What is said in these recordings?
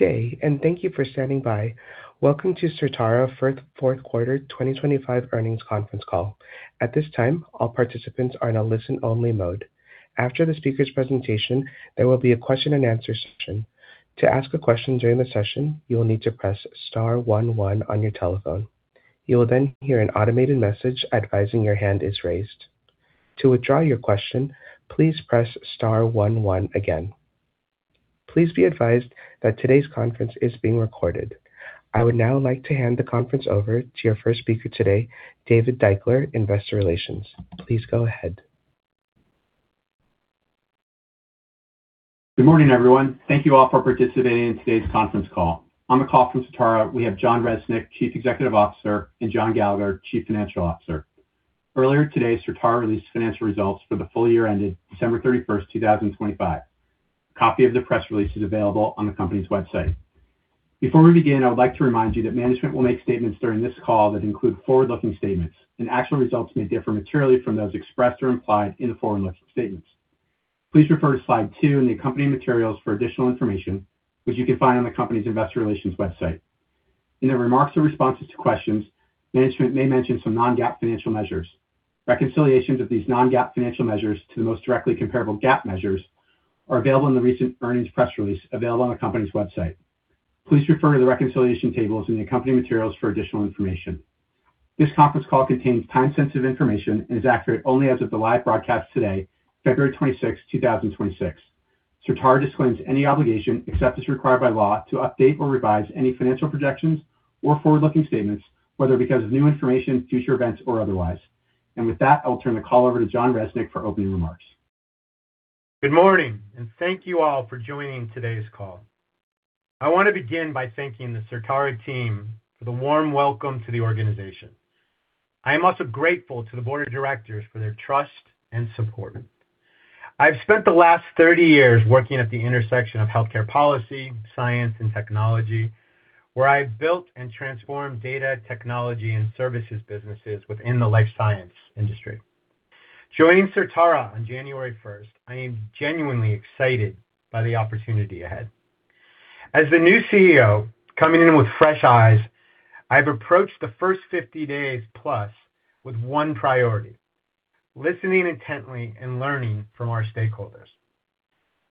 Good day, and thank you for standing by. Welcome to Certara fourth quarter 2025 earnings conference call. At this time, all participants are in a listen-only mode. After the speaker's presentation, there will be a question-and-answer session. To ask a question during the session, you will need to press star 11 on your telephone. You will then hear an automated message advising your hand is raised. To withdraw your question, please press star 11 again. Please be advised that today's conference is being recorded. I would now like to hand the conference over to your first speaker today, David Deuchler, Investor Relations. Please go ahead. Good morning, everyone. Thank you all for participating in today's conference call. On the call from Certara, we have Jon Resnick, Chief Executive Officer, and Jon Gallagher, Chief Financial Officer. Earlier today, Certara released financial results for the full year ended December 31, 2025. A copy of the press release is available on the company's website. Before we begin, I would like to remind you that management will make statements during this call that include forward-looking statements, and actual results may differ materially from those expressed or implied in the forward-looking statements. Please refer to slide 2 in the accompanying materials for additional information, which you can find on the company's investor relations website. In their remarks or responses to questions, management may mention some non-GAAP financial measures. Reconciliations of these non-GAAP financial measures to the most directly comparable GAAP measures are available in the recent earnings press release available on the company's website. Please refer to the reconciliation tables in the accompanying materials for additional information. This conference call contains time-sensitive information and is accurate only as of the live broadcast today, February 26, 2026. Certara disclaims any obligation, except as required by law, to update or revise any financial projections or forward-looking statements, whether because of new information, future events, or otherwise. With that, I'll turn the call over to Jon Resnick for opening remarks. Good morning. Thank you all for joining today's call. I want to begin by thanking the Certara team for the warm welcome to the organization. I am also grateful to the board of directors for their trust and support. I've spent the last 30 years working at the intersection of healthcare policy, science, and technology, where I've built and transformed data technology and services businesses within the life science industry. Joining Certara on January first, I am genuinely excited by the opportunity ahead. As the new CEO, coming in with fresh eyes, I've approached the first 50 days plus with 1 priority: listening intently and learning from our stakeholders.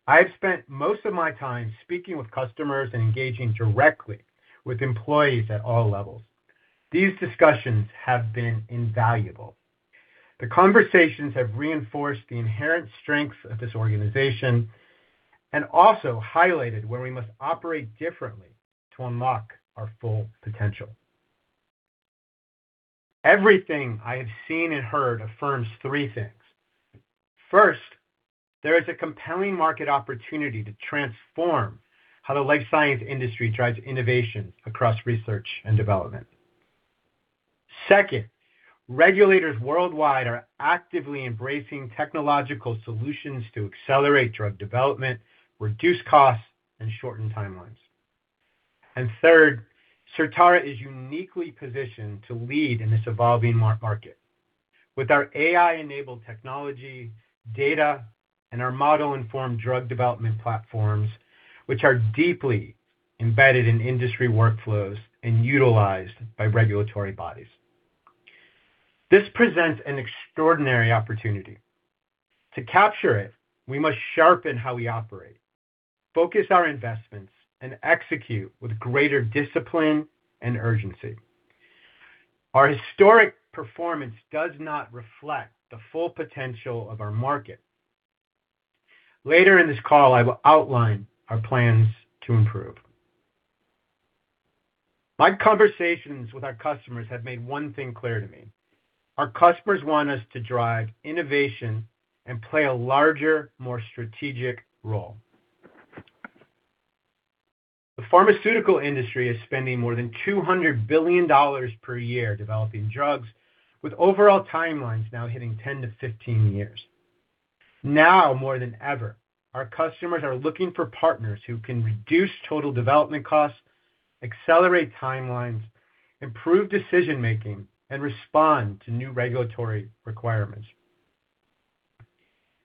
I've spent most of my time speaking with customers and engaging directly with employees at all levels. These discussions have been invaluable. The conversations have reinforced the inherent strengths of this organization and also highlighted where we must operate differently to unlock our full potential. Everything I have seen and heard affirms three things. First, there is a compelling market opportunity to transform how the life science industry drives innovation across research and development. Second, regulators worldwide are actively embracing technological solutions to accelerate drug development, reduce costs, and shorten timelines. Third, Certara is uniquely positioned to lead in this evolving market with our AI-enabled technology, data, and our model-informed drug development platforms, which are deeply embedded in industry workflows and utilized by regulatory bodies. This presents an extraordinary opportunity. To capture it, we must sharpen how we operate, focus our investments, and execute with greater discipline and urgency. Our historic performance does not reflect the full potential of our market. Later in this call, I will outline our plans to improve. My conversations with our customers have made one thing clear to me: Our customers want us to drive innovation and play a larger, more strategic role. The pharmaceutical industry is spending more than $200 billion per year developing drugs, with overall timelines now hitting 10-15 years. Now, more than ever, our customers are looking for partners who can reduce total development costs, accelerate timelines, improve decision-making, and respond to new regulatory requirements.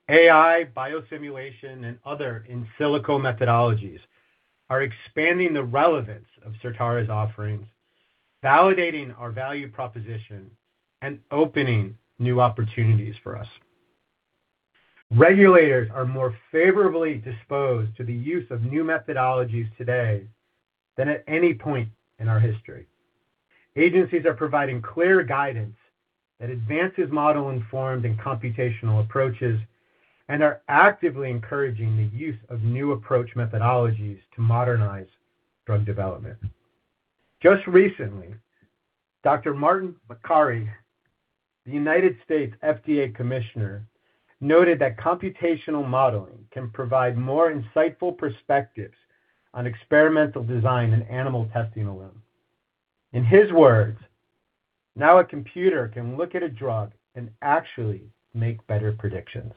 AI, biosimulation, and other in silico methodologies are expanding the relevance of Certara's offerings, validating our value proposition, and opening new opportunities for us. Regulators are more favorably disposed to the use of new methodologies today than at any point in our history. Agencies are providing clear guidance that advances Model-Informed and computational approaches and are actively encouraging the use of new approach methodologies to modernize drug development. Just recently, Dr. Martin Makary, the U.S. FDA Commissioner, noted that computational modeling can provide more insightful perspectives on experimental design and animal testing alone. In his words, "Now a computer can look at a drug and actually make better predictions."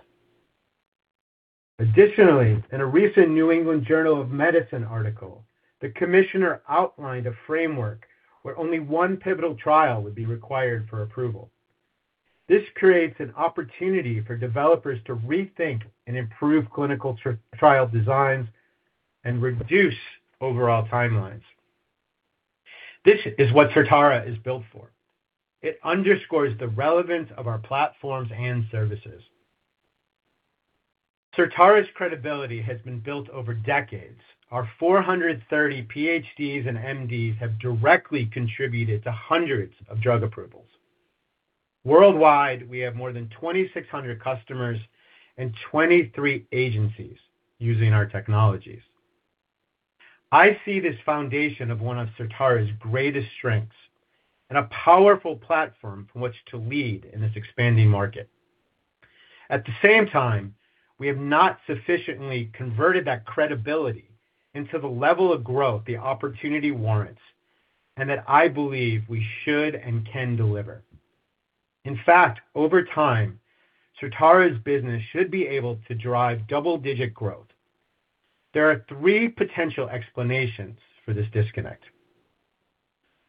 Additionally, in a recent New England Journal of Medicine article, the Commissioner outlined a framework where only one pivotal trial would be required for approval. This creates an opportunity for developers to rethink and improve clinical trial designs and reduce overall timelines. This is what Certara is built for. It underscores the relevance of our platforms and services. Certara's credibility has been built over decades. Our 430 PhDs and MDs have directly contributed to hundreds of drug approvals. Worldwide, we have more than 2,600 customers and 23 agencies using our technologies. I see this foundation of one of Certara's greatest strengths and a powerful platform from which to lead in this expanding market. At the same time, we have not sufficiently converted that credibility into the level of growth the opportunity warrants, and that I believe we should and can deliver. In fact, over time, Certara's business should be able to drive double-digit growth. There are 3 potential explanations for this disconnect.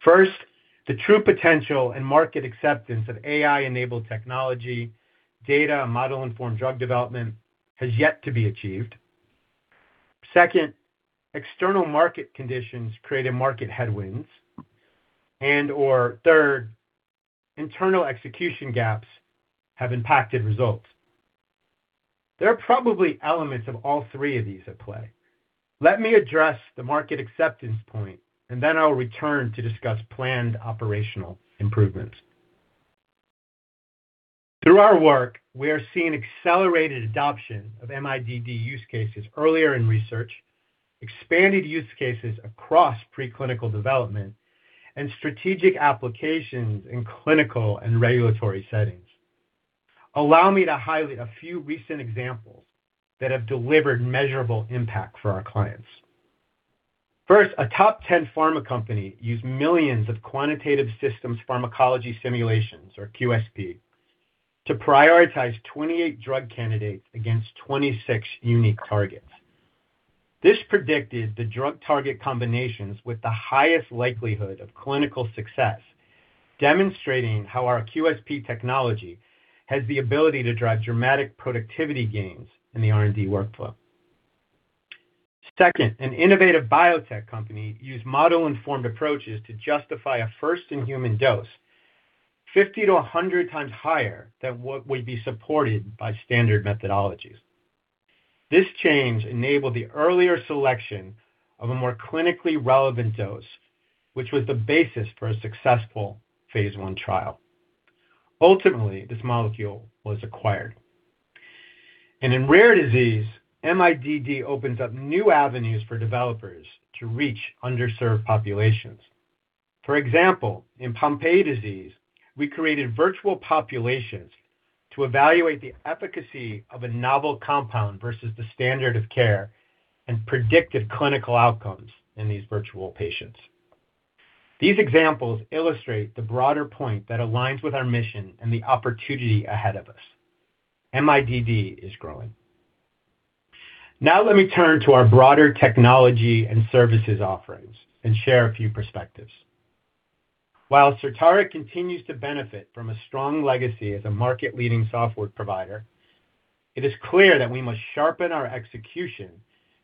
First, the true potential and market acceptance of AI-enabled technology, data, and model-informed drug development has yet to be achieved. Second, external market conditions create a market headwinds, and/or third, internal execution gaps have impacted results. There are probably elements of all 3 of these at play. Let me address the market acceptance point, and then I'll return to discuss planned operational improvements. Through our work, we are seeing accelerated adoption of MIDD use cases earlier in research, expanded use cases across preclinical development, and strategic applications in clinical and regulatory settings. Allow me to highlight a few recent examples that have delivered measurable impact for our clients. First, a top 10 pharma company used millions of quantitative systems pharmacology simulations, or QSP, to prioritize 28 drug candidates against 26 unique targets. This predicted the drug target combinations with the highest likelihood of clinical success, demonstrating how our QSP technology has the ability to drive dramatic productivity gains in the R&D workflow. Second, an innovative biotech company used model-informed approaches to justify a first-in-human dose, 50-100 times higher than what would be supported by standard methodologies. This change enabled the earlier selection of a more clinically relevant dose, which was the basis for a successful phase I trial. Ultimately, this molecule was acquired. In rare disease, MIDD opens up new avenues for developers to reach underserved populations. For example, in Pompe disease, we created virtual populations to evaluate the efficacy of a novel compound versus the standard of care and predicted clinical outcomes in these virtual patients. These examples illustrate the broader point that aligns with our mission and the opportunity ahead of us. MIDD is growing. Now let me turn to our broader technology and services offerings and share a few perspectives. While Certara continues to benefit from a strong legacy as a market-leading software provider, it is clear that we must sharpen our execution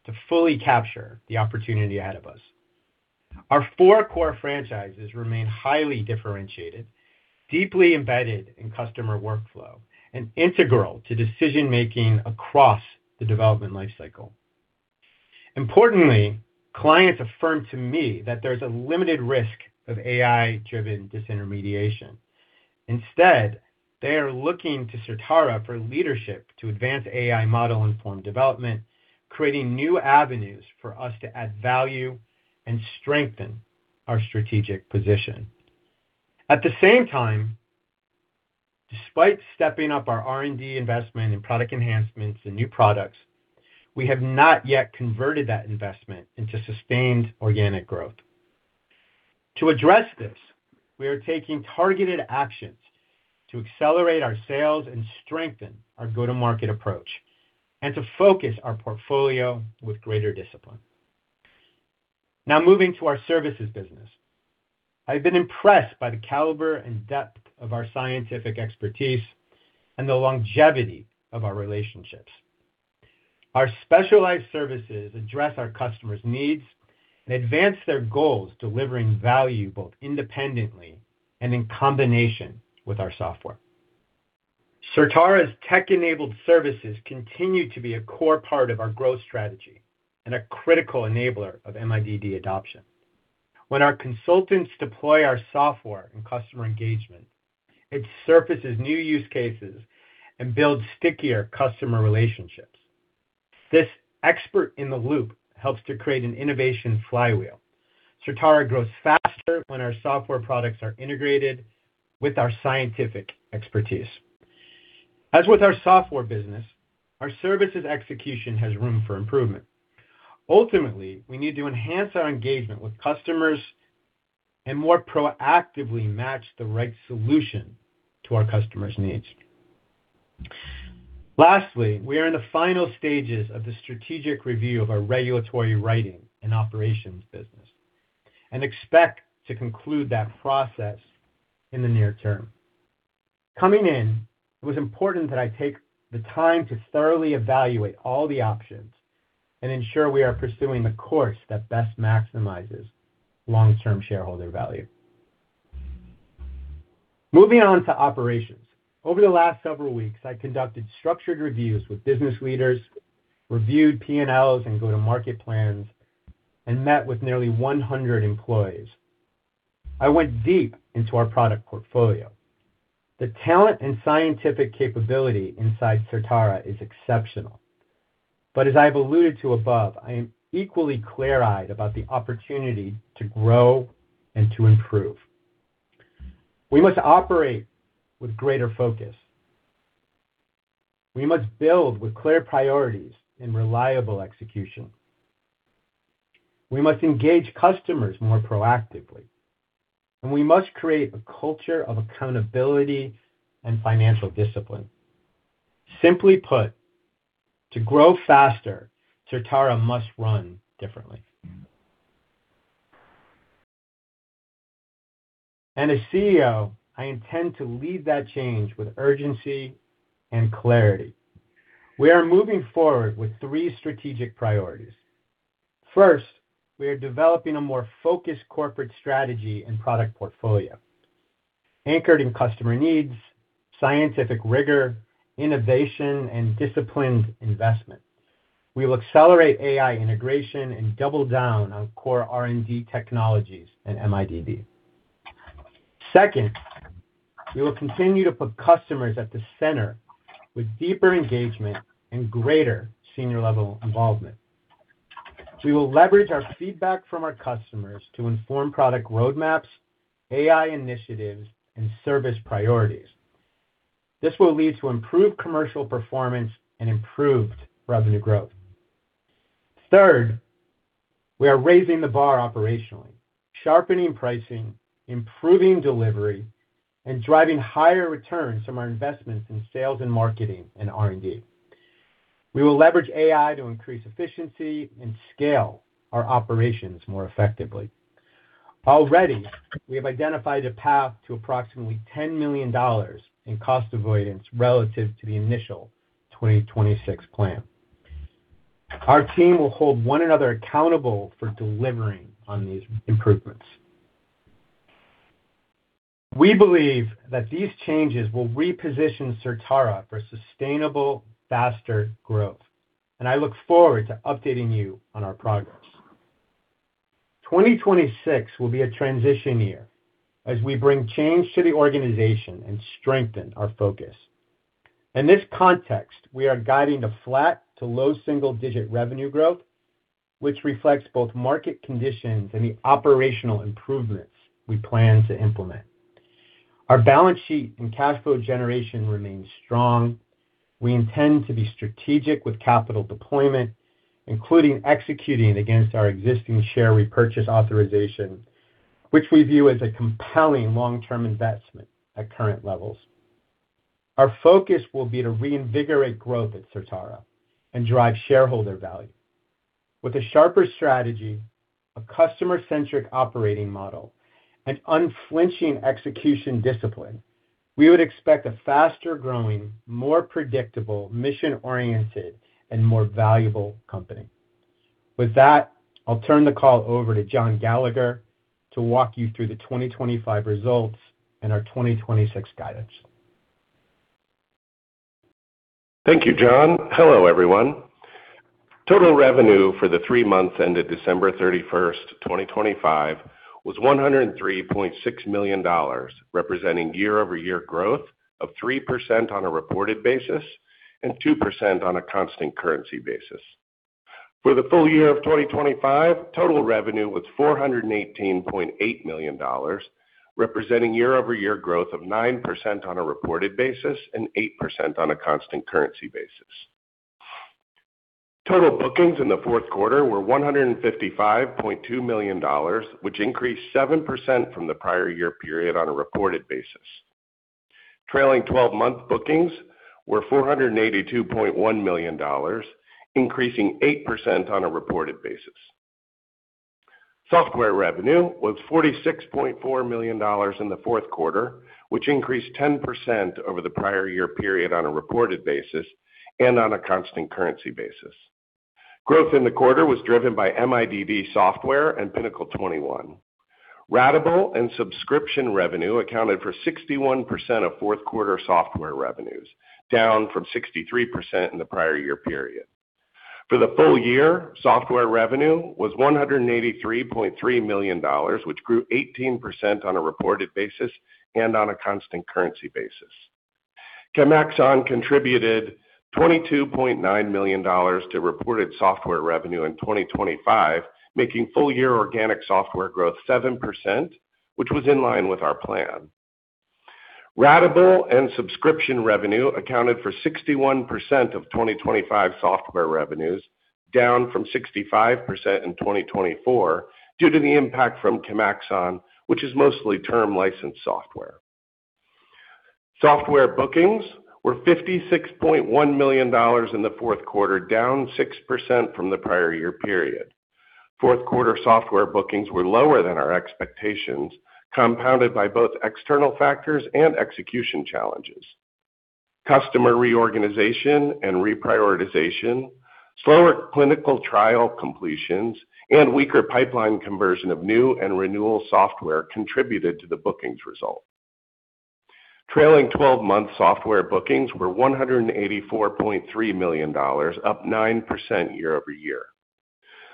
to fully capture the opportunity ahead of us. Our four core franchises remain highly differentiated, deeply embedded in customer workflow, and integral to decision-making across the development lifecycle. Importantly, clients affirm to me that there's a limited risk of AI-driven disintermediation. Instead, they are looking to Certara for leadership to advance AI model-informed development, creating new avenues for us to add value and strengthen our strategic position. Despite stepping up our R&D investment in product enhancements and new products, we have not yet converted that investment into sustained organic growth. To address this, we are taking targeted actions to accelerate our sales and strengthen our go-to-market approach and to focus our portfolio with greater discipline. Moving to our services business. I've been impressed by the caliber and depth of our scientific expertise and the longevity of our relationships. Our specialized services address our customers' needs and advance their goals, delivering value both independently and in combination with our software. Certara's tech-enabled services continue to be a core part of our growth strategy and a critical enabler of MIDD adoption. When our consultants deploy our software and customer engagement, it surfaces new use cases and builds stickier customer relationships. This expert in the loop helps to create an innovation flywheel. Certara grows faster when our software products are integrated with our scientific expertise. As with our software business, our services execution has room for improvement. Ultimately, we need to enhance our engagement with customers and more proactively match the right solution to our customers' needs. Lastly, we are in the final stages of the strategic review of our regulatory writing and operations business, and expect to conclude that process in the near term. Coming in, it was important that I take the time to thoroughly evaluate all the options and ensure we are pursuing the course that best maximizes long-term shareholder value. Moving on to operations. Over the last several weeks, I conducted structured reviews with business leaders, reviewed P&Ls and go-to-market plans, and met with nearly 100 employees. I went deep into our product portfolio. The talent and scientific capability inside Certara is exceptional. As I've alluded to above, I am equally clear-eyed about the opportunity to grow and to improve. We must operate with greater focus. We must build with clear priorities and reliable execution. We must engage customers more proactively, we must create a culture of accountability and financial discipline. Simply put, to grow faster, Certara must run differently. As CEO, I intend to lead that change with urgency and clarity. We are moving forward with 3 strategic priorities. First, we are developing a more focused corporate strategy and product portfolio, anchored in customer needs, scientific rigor, innovation, and disciplined investment. We will accelerate AI integration and double down on core R&D technologies and MIDD. Second, we will continue to put customers at the center with deeper engagement and greater senior-level involvement. We will leverage our feedback from our customers to inform product roadmaps, AI initiatives, and service priorities. This will lead to improved commercial performance and improved revenue growth. Third, we are raising the bar operationally, sharpening pricing, improving delivery, and driving higher returns from our investments in sales and marketing and R&D. We will leverage AI to increase efficiency and scale our operations more effectively. Already, we have identified a path to approximately $10 million in cost avoidance relative to the initial 2026 plan. Our team will hold one another accountable for delivering on these improvements. We believe that these changes will reposition Certara for sustainable, faster growth, and I look forward to updating you on our progress. 2026 will be a transition year as we bring change to the organization and strengthen our focus. In this context, we are guiding to flat to low single-digit revenue growth, which reflects both market conditions and the operational improvements we plan to implement. Our balance sheet and cash flow generation remains strong. We intend to be strategic with capital deployment, including executing against our existing share repurchase authorization, which we view as a compelling long-term investment at current levels. Our focus will be to reinvigorate growth at Certara and drive shareholder value. With a sharper strategy, a customer-centric operating model, and unflinching execution discipline, we would expect a faster-growing, more predictable, mission-oriented, and more valuable company. I'll turn the call over to John Gallagher to walk you through the 2025 results and our 2026 guidance. Thank you, Jon. Hello, everyone. Total revenue for the 3 months ended December 31st, 2025, was $103.6 million, representing year-over-year growth of 3% on a reported basis and 2% on a constant currency basis. For the full year of 2025, total revenue was $418.8 million, representing year-over-year growth of 9% on a reported basis and 8% on a constant currency basis. Total bookings in the fourth quarter were $155.2 million, which increased 7% from the prior year period on a reported basis. Trailing twelve-month bookings were $482.1 million, increasing 8% on a reported basis. Software revenue was $46.4 million in the fourth quarter, which increased 10% over the prior year period on a reported basis and on a constant currency basis. Growth in the quarter was driven by MIDD software and Pinnacle 21. Ratable and subscription revenue accounted for 61% of fourth quarter software revenues, down from 63% in the prior year period. For the full year, software revenue was $183.3 million, which grew 18% on a reported basis and on a constant currency basis. Chemaxon contributed $22.9 million to reported software revenue in 2025, making full-year organic software growth 7%, which was in line with our plan. Ratable and subscription revenue accounted for 61% of 2025 software revenues. down from 65% in 2024, due to the impact from Chemaxon, which is mostly term license software. Software bookings were $56.1 million in the fourth quarter, down 6% from the prior year period. Fourth quarter software bookings were lower than our expectations, compounded by both external factors and execution challenges. Customer reorganization and reprioritization, slower clinical trial completions, and weaker pipeline conversion of new and renewal software contributed to the bookings result. Trailing 12-month software bookings were $184.3 million, up 9% year-over-year.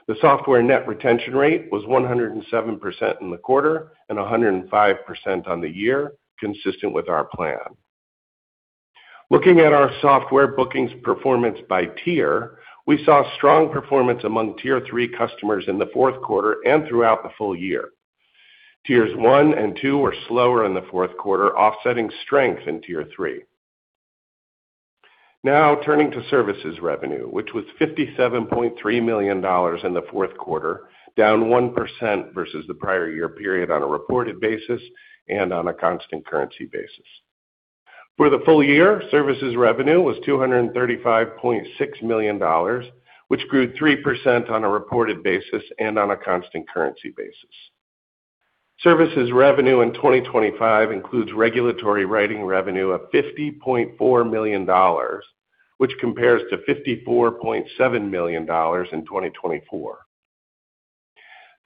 The software net retention rate was 107% in the quarter, and 105% on the year, consistent with our plan. Looking at our software bookings performance by tier, we saw strong performance among Tier 3 customers in the fourth quarter and throughout the full year. Tiers 1 and 2 were slower in the fourth quarter, offsetting strength in Tier 3. Turning to services revenue, which was $57.3 million in the fourth quarter, down 1% versus the prior year period on a reported basis and on a constant currency basis. For the full year, services revenue was $235.6 million, which grew 3% on a reported basis and on a constant currency basis. Services revenue in 2025 includes regulatory writing revenue of $50.4 million, which compares to $54.7 million in 2024.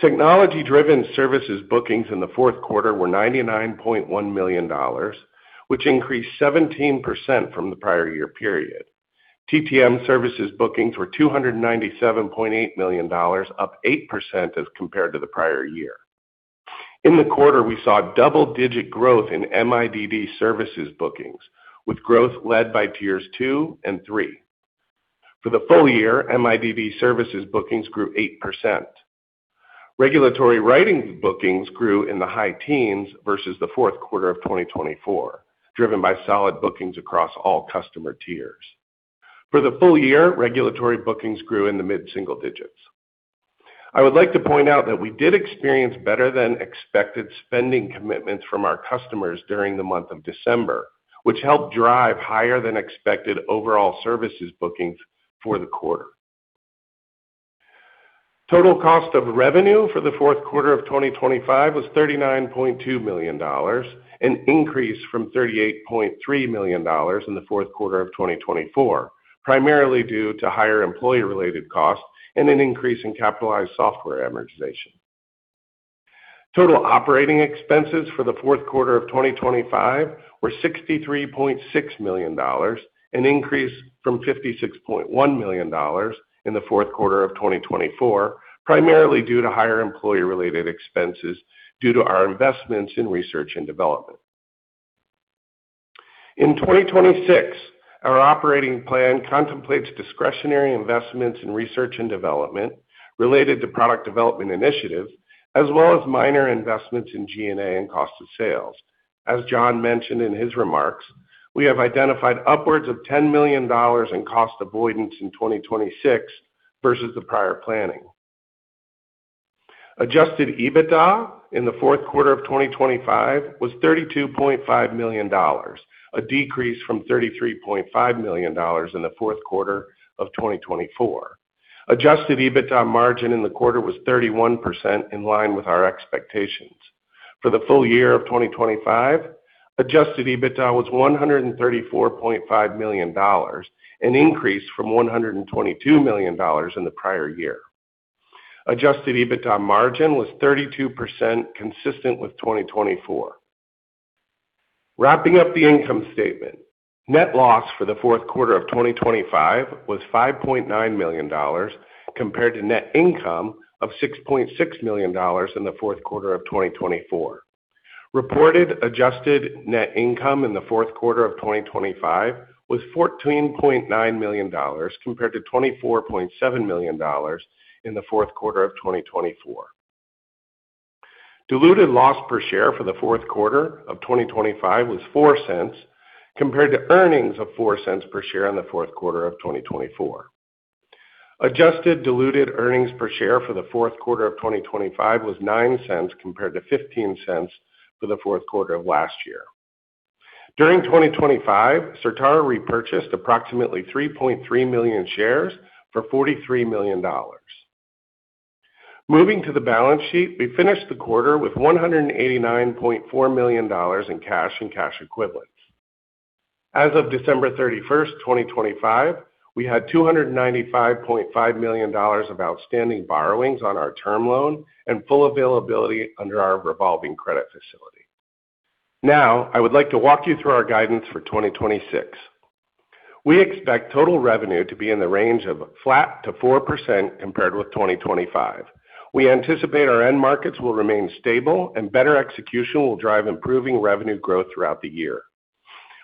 Technology-driven services bookings in the fourth quarter were $99.1 million, which increased 17% from the prior year period. TTM services bookings were $297.8 million, up 8% as compared to the prior year. In the quarter, we saw double-digit growth in MIDD services bookings, with growth led by Tiers 2 and 3. For the full year, MIDD services bookings grew 8%. Regulatory writing bookings grew in the high teens versus the fourth quarter of 2024, driven by solid bookings across all customer tiers. For the full year, regulatory bookings grew in the mid-single digits. I would like to point out that we did experience better-than-expected spending commitments from our customers during the month of December, which helped drive higher-than-expected overall services bookings for the quarter. Total cost of revenue for the fourth quarter of 2025 was $39.2 million, an increase from $38.3 million in the fourth quarter of 2024, primarily due to higher employee-related costs and an increase in capitalized software amortization. Total operating expenses for the fourth quarter of 2025 were $63.6 million, an increase from $56.1 million in the fourth quarter of 2024, primarily due to higher employee-related expenses due to our investments in research and development. In 2026, our operating plan contemplates discretionary investments in research and development related to product development initiatives, as well as minor investments in SG&A and cost of sales. As Jon mentioned in his remarks, we have identified upwards of $10 million in cost avoidance in 2026 versus the prior planning. Adjusted EBITDA in the fourth quarter of 2025 was $32.5 million, a decrease from $33.5 million in the fourth quarter of 2024. Adjusted EBITDA margin in the quarter was 31%, in line with our expectations. For the full year of 2025, Adjusted EBITDA was $134.5 million, an increase from $122 million in the prior year. Adjusted EBITDA margin was 32%, consistent with 2024. Wrapping up the income statement. Net loss for the fourth quarter of 2025 was $5.9 million, compared to net income of $6.6 million in the fourth quarter of 2024. Reported adjusted net income in the fourth quarter of 2025 was $14.9 million, compared to $24.7 million in the fourth quarter of 2024. Diluted loss per share for the fourth quarter of 2025 was $0.04, compared to earnings of $0.04 per share in the fourth quarter of 2024. Adjusted diluted earnings per share for the fourth quarter of 2025 was $0.09, compared to $0.15 for the fourth quarter of last year. During 2025, Certara repurchased approximately 3.3 million shares for $43 million. Moving to the balance sheet, we finished the quarter with $189.4 million in cash and cash equivalents. As of December 31, 2025, we had $295.5 million of outstanding borrowings on our term loan and full availability under our revolving credit facility. Now, I would like to walk you through our guidance for 2026. We expect total revenue to be in the range of flat to 4% compared with 2025. We anticipate our end markets will remain stable and better execution will drive improving revenue growth throughout the year.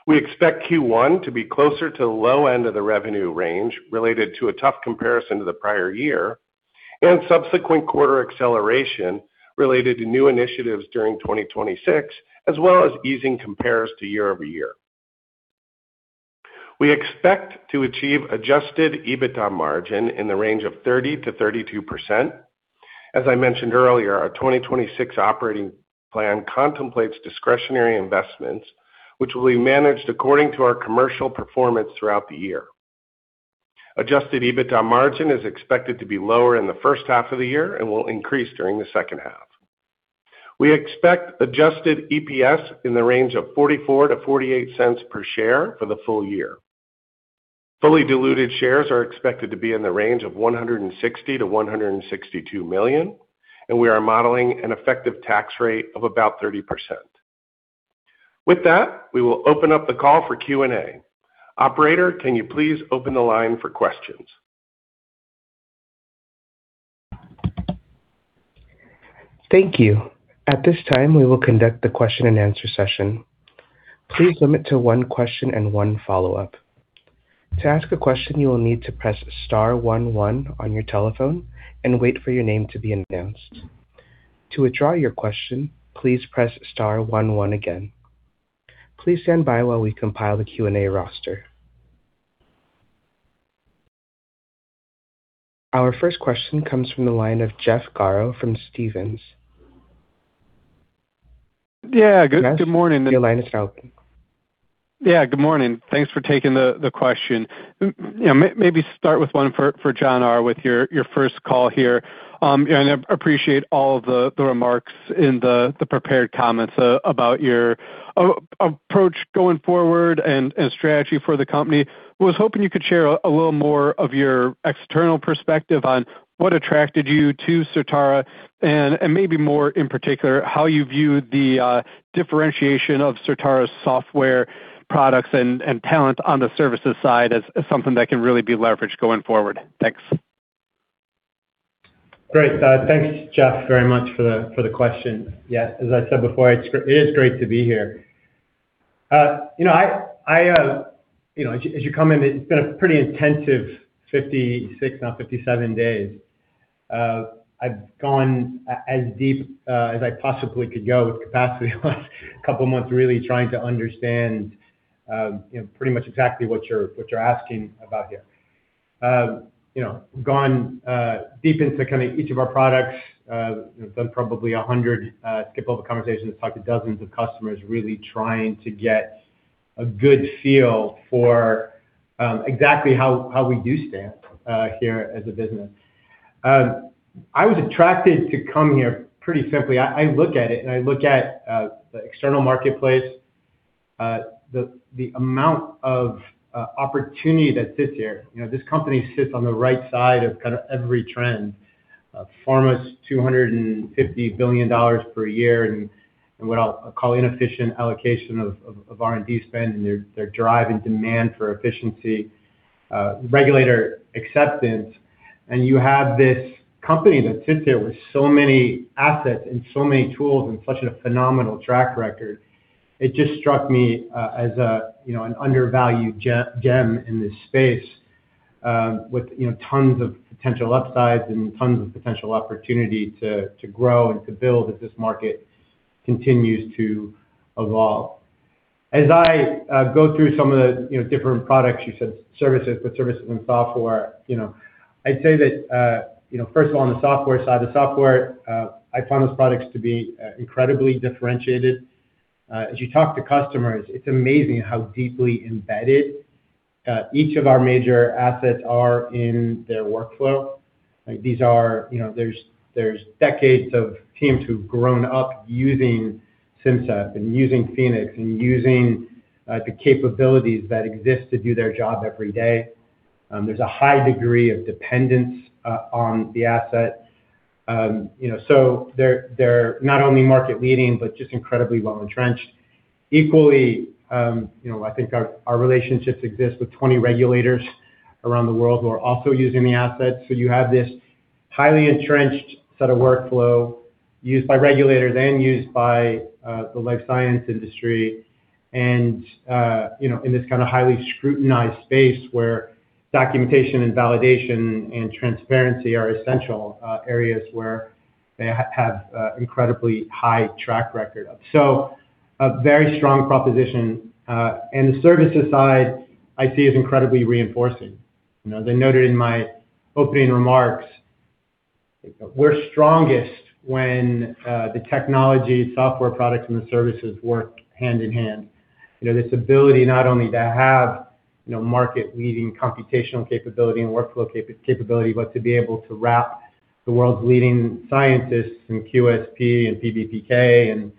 We expect Q1 to be closer to the low end of the revenue range related to a tough comparison to the prior year. Subsequent quarter acceleration related to new initiatives during 2026, as well as easing compares to year-over-year. We expect to achieve Adjusted EBITDA margin in the range of 30%-32%. As I mentioned earlier, our 2026 operating plan contemplates discretionary investments, which will be managed according to our commercial performance throughout the year. Adjusted EBITDA margin is expected to be lower in the first half of the year and will increase during the second half. We expect adjusted EPS in the range of $0.44-$0.48 per share for the full year. Fully diluted shares are expected to be in the range of $160 million-$162 million, and we are modeling an effective tax rate of about 30%. With that, we will open up the call for Q&A. Operator, can you please open the line for questions? Thank you. At this time, we will conduct the question and answer session. Please limit to one question and one follow-up. To ask a question, you will need to press star one one on your telephone and wait for your name to be announced. To withdraw your question, please press star one one again. Please stand by while we compile the Q&A roster. Our first question comes from the line of Jeff Garro from Stephens. Yeah, good morning- Your line is open. Yeah, good morning. Thanks for taking the question. Maybe start with one for Jon R. with your first call here. I appreciate all the remarks in the prepared comments about your approach going forward and strategy for the company. Was hoping you could share a little more of your external perspective on what attracted you to Certara, and maybe more in particular, how you view the differentiation of Certara's software products and talent on the services side as something that can really be leveraged going forward. Thanks. Great. Thanks, Jeff, very much for the question. Yeah, as I said before, it is great to be here. You know, I, you know, as you come in, it's been a pretty intensive 56, now 57 days. I've gone as deep as I possibly could go with capacity over the couple of months, really trying to understand, you know, pretty much exactly what you're asking about here. You know, gone deep into kind of each of our products, done probably 100 skip-level conversations, talked to dozens of customers, really trying to get a good feel for exactly how we do stand here as a business. I was attracted to come here pretty simply. I look at it, and I look at the external marketplace, the amount of opportunity that sits here. You know, this company sits on the right side of kind of every trend. Pharma's $250 billion per year, and what I'll call inefficient allocation of R&D spend, and their drive and demand for efficiency, regulator acceptance. You have this company that sits there with so many assets and so many tools and such a phenomenal track record. It just struck me as a, you know, an undervalued gem in this space, with, you know, tons of potential upsides and tons of potential opportunity to grow and to build as this market continues to evolve. As I, go through some of the, you know, different products, you said services, but services and software, you know, I'd say that, you know, first of all, on the software side, the software, I found those products to be incredibly differentiated. As you talk to customers, it's amazing how deeply embedded, each of our major assets are in their workflow. Like, these are, you know, there's decades of teams who've grown up using Simcyp and using Phoenix and using the capabilities that exist to do their job every day. There's a high degree of dependence on the asset. You know, so they're not only market-leading, but just incredibly well-entrenched. Equally, you know, I think our relationships exist with 20 regulators around the world who are also using the assets. You have this highly entrenched set of workflow used by regulators and used by the life science industry, and, you know, in this kind of highly scrutinized space where documentation and validation and transparency are essential areas where they have incredibly high track record. A very strong proposition, and the services side, I see as incredibly reinforcing. You know, as I noted in my opening remarks, we're strongest when the technology, software products, and the services work hand in hand. You know, this ability not only to have, you know, market-leading computational capability and workflow capability, but to be able to wrap the world's leading scientists in QSP and PBPK and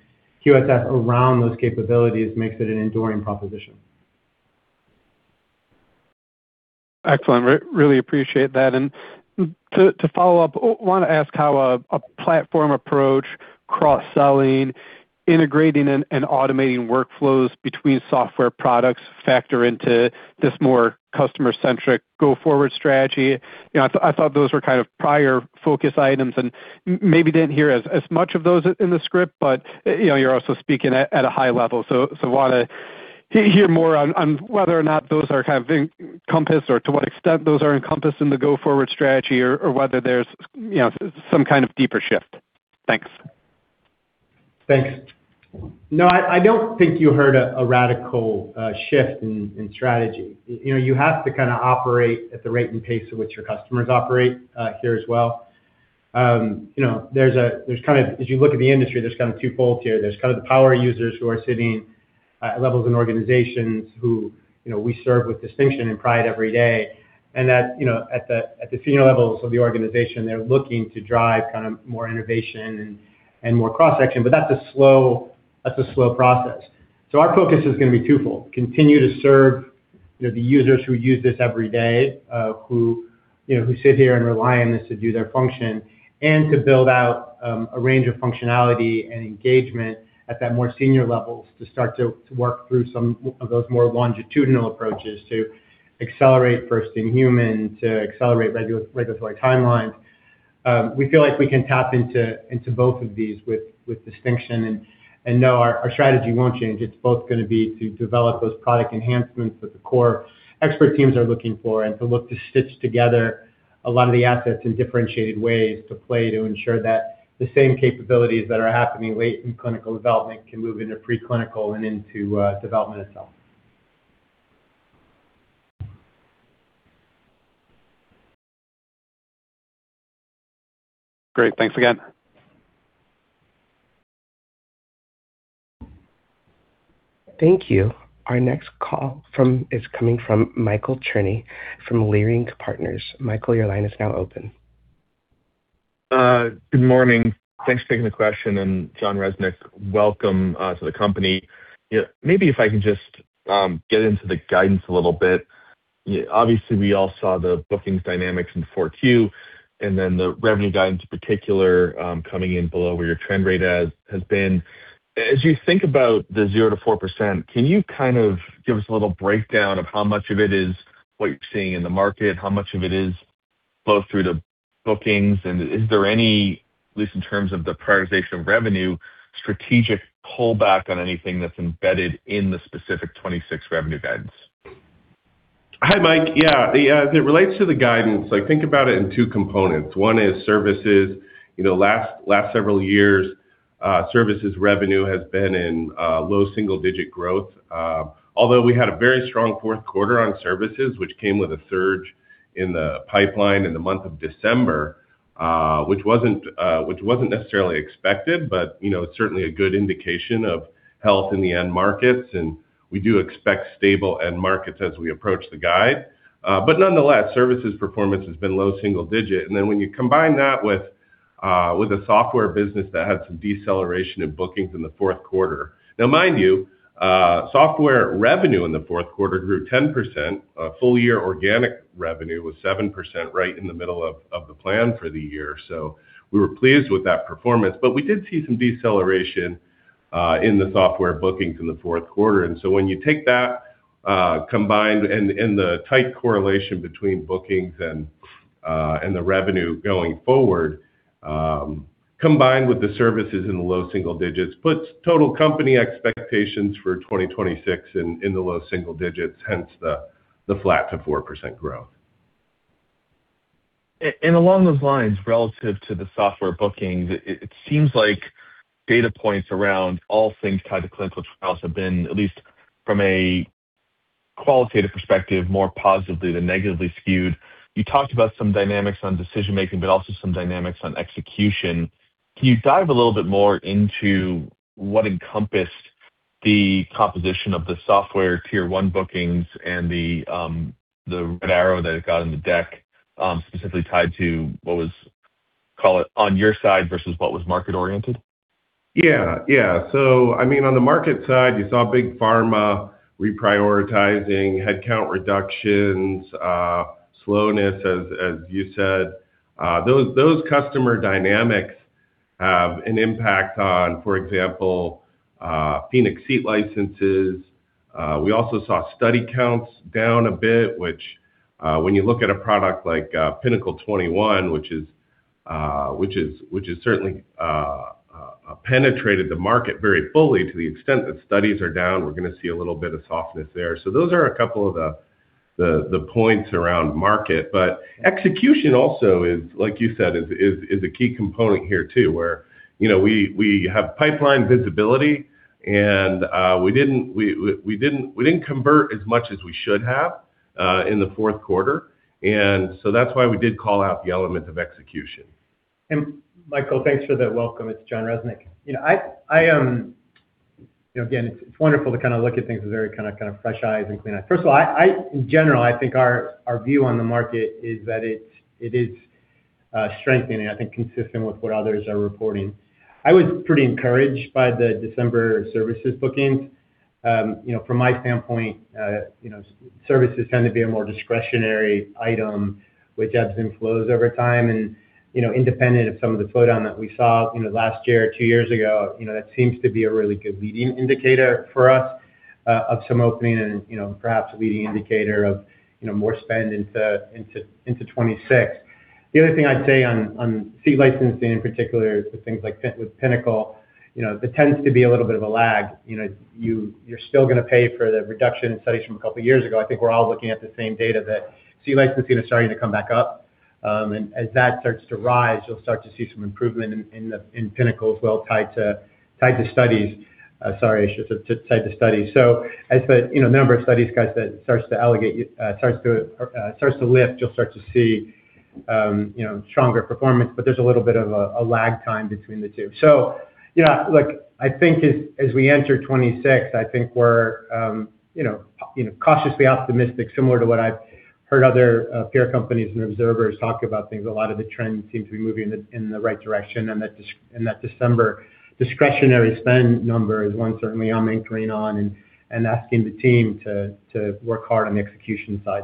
QST around those capabilities makes it an enduring proposition. Excellent. Really appreciate that. And to follow up, want to ask how a platform approach, cross-selling, integrating and automating workflows between software products factor into this more customer-centric go-forward strategy? You know, I thought those were kind of prior focus items, and maybe didn't hear as much of those in the script, but, you know, you're also speaking at a high level. So want to hear more on whether or not those are kind of encompassed or to what extent those are encompassed in the go-forward strategy, or whether there's, you know, some kind of deeper shift. Thanks. Thanks. No, I don't think you heard a radical shift in strategy. You know, you have to kinda operate at the rate and pace at which your customers operate here as well. You know, there's kind of, as you look at the industry, there's kind of two folds here. There's kind of the power users who are sitting at levels in organizations who, you know, we serve with distinction and pride every day. That, you know, at the senior levels of the organization, they're looking to drive kind of more innovation and more cross-section, but that's a slow process. Our focus is gonna be twofold: Continue to serve, you know, the users who use this every day, who, you know, who sit here and rely on this to do their function, and to build out a range of functionality and engagement at that more senior levels to start to work through some of those more longitudinal approaches to accelerate first-in-human, to accelerate regulatory timelines. We feel like we can tap into both of these with distinction, and know our strategy won't change. It's both gonna be to develop those product enhancements that the core expert teams are looking for, and to look to stitch together a lot of the assets in differentiated ways to play, to ensure that the same capabilities that are happening late in clinical development can move into preclinical and into development itself. Great. Thanks again. Thank you. Our next call is coming from Michael Cherny from Leerink Partners. Michael, your line is now open. Good morning. Thanks for taking the question, and Jon Resnick, welcome to the company. Maybe if I can just get into the guidance a little bit. Obviously, we all saw the bookings dynamics in four Q, and then the revenue guidance in particular, coming in below where your trend rate has been. As you think about the 0%-4%, can you kind of give us a little breakdown of how much of it is what you're seeing in the market, how much of it is both through the bookings, and is there any, at least in terms of the prioritization of revenue, strategic pullback on anything that's embedded in the specific 2026 revenue guidance? Hi, Mike. Yeah, as it relates to the guidance, I think about it in two components. One is services. You know, last several years, services revenue has been in low single-digit growth, although we had a very strong fourth quarter on services, which came with a surge in the pipeline in the month of December, which wasn't necessarily expected, but, you know, it's certainly a good indication of health in the end markets, and we do expect stable end markets as we approach the guide. But nonetheless, services performance has been low single-digit. Then when you combine that with a software business that had some deceleration in bookings in the fourth quarter. Now, mind you, software revenue in the fourth quarter grew 10%. Full year organic revenue was 7%, right in the middle of the plan for the year. We were pleased with that performance, but we did see some deceleration in the software bookings in the fourth quarter. When you take that combined and the tight correlation between bookings and the revenue going forward, combined with the services in the low single digits, puts total company expectations for 2026 in the low single digits, hence the flat to 4% growth. Along those lines, relative to the software bookings, it seems like data points around all things tied to clinical trials have been, at least from a qualitative perspective, more positively than negatively skewed. You talked about some dynamics on decision making, but also some dynamics on execution. Can you dive a little bit more into what encompassed the composition of the software Tier 1 bookings and the red arrow that it got in the deck, specifically tied to what was, call it, on your side versus what was market-oriented? Yeah. Yeah. I mean, on the market side, you saw big pharma reprioritizing, headcount reductions, slowness, as you said. Those customer dynamics have an impact on, for example, Phoenix seat licenses. We also saw study counts down a bit, which, when you look at a product like Pinnacle 21, which has certainly penetrated the market very fully to the extent that studies are down, we're gonna see a little bit of softness there. Those are a couple of the points around market. Execution also is, like you said, is a key component here, too, where, you know, we have pipeline visibility and we didn't convert as much as we should have in the fourth quarter. That's why we did call out the element of execution. Michael, thanks for that welcome. It's Jon Resnick. You know, again, it's wonderful to kinda look at things with very kinda fresh eyes and clean eyes. First of all, in general, I think our view on the market is that it is strengthening, I think, consistent with what others are reporting. I was pretty encouraged by the December services bookings. You know, from my standpoint, you know, services tend to be a more discretionary item, which ebbs and flows over time and, you know, independent of some of the slowdown that we saw, you know, last year or two years ago, you know, that seems to be a really good leading indicator for us of some opening and, you know, perhaps a leading indicator of, you know, more spend into 2026. The other thing I'd say on seat licensing, in particular, is the things like with Pinnacle, you know, there tends to be a little bit of a lag. You know, you're still gonna pay for the reduction in studies from 2 years ago. I think we're all looking at the same data that seat licensing is starting to come back up. As that starts to rise, you'll start to see some improvement in the, in Pinnacle as well, tied to studies. Sorry, I should say to tied to studies. As the, you know, number of studies, guys, that starts to aggregate, starts to lift, you'll start to see, you know, stronger performance, but there's a little bit of a lag time between the 2. Yeah, look, I think as we enter 2026, I think we're, you know, cautiously optimistic, similar to what I've heard other peer companies and observers talk about things. A lot of the trends seem to be moving in the right direction, and that December discretionary spend number is one certainly I'm maintaining on and asking the team to work hard on the execution side.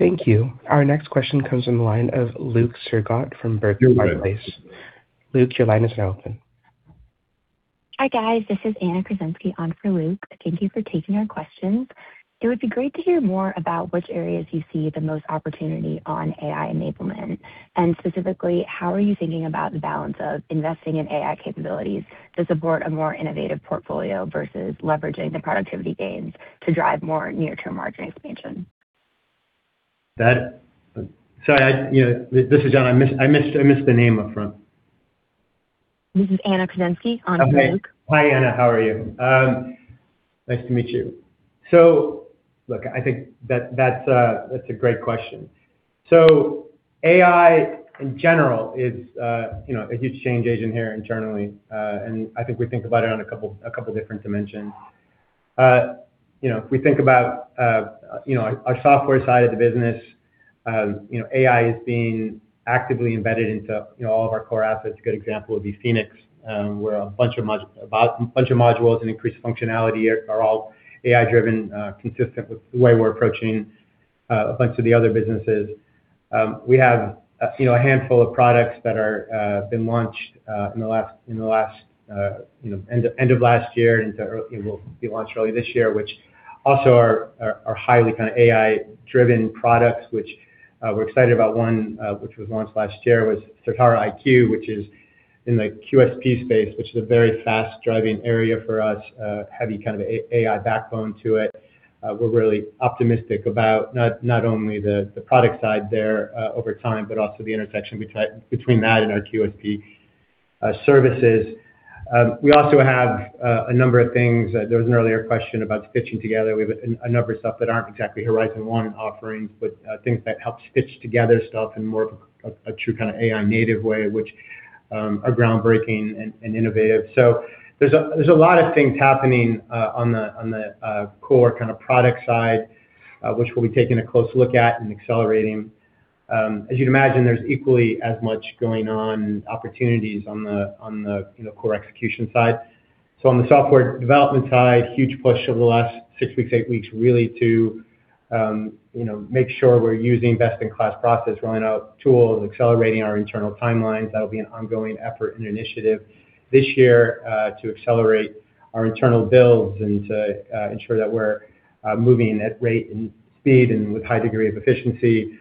Thank you. Our next question comes from the line of Luke Sergott from Barclays. Luke, your line is now open. Hi, guys, this is Anna Krasinski on for Luke. Thank you for taking our questions. It would be great to hear more about which areas you see the most opportunity on AI enablement. Specifically, how are you thinking about the balance of investing in AI capabilities to support a more innovative portfolio versus leveraging the productivity gains to drive more near-term margin expansion? Sorry, I, you know, this is Jon. I missed the name up front. This is Anna Krasinski on for Luke. Hi, Anna, how are you? Nice to meet you. I think that's a great question. AI, in general, is, you know, a huge change agent here internally, and I think we think about it on a couple different dimensions. You know, if we think about, you know, our software side of the business, you know, AI is being actively embedded into, you know, all of our core assets. A good example would be Phoenix, where a bunch of modules and increased functionality are all AI-driven, consistent with the way we're approaching a bunch of the other businesses. We have, you know, a handful of products that are been launched in the last, you know, end of last year into early... will be launched early this year, which also are highly kind of AI-driven products, which we're excited about. One, which was launched last year, was Certara IQ, which is in the QSP space, which is a very fast-driving area for us, heavy kind of AI backbone to it. We're really optimistic about not only the product side there, over time, but also the intersection between that and our QSP services. We also have a number of things. There was an earlier question about stitching together. We have a number of stuff that aren't exactly horizon one offerings, but things that help stitch together stuff in more of a true kind of AI native way, which are groundbreaking and innovative. There's a lot of things happening on the core kind of product side, which we'll be taking a close look at and accelerating. As you'd imagine, there's equally as much going on, opportunities on the, you know, core execution side. On the software development side, huge push over the last six weeks, eight weeks, really to, you know, make sure we're using best-in-class process, rolling out tools, accelerating our internal timelines. That'll be an ongoing effort and initiative this year to accelerate our internal builds and to ensure that we're moving at rate and speed and with high degree of efficiency.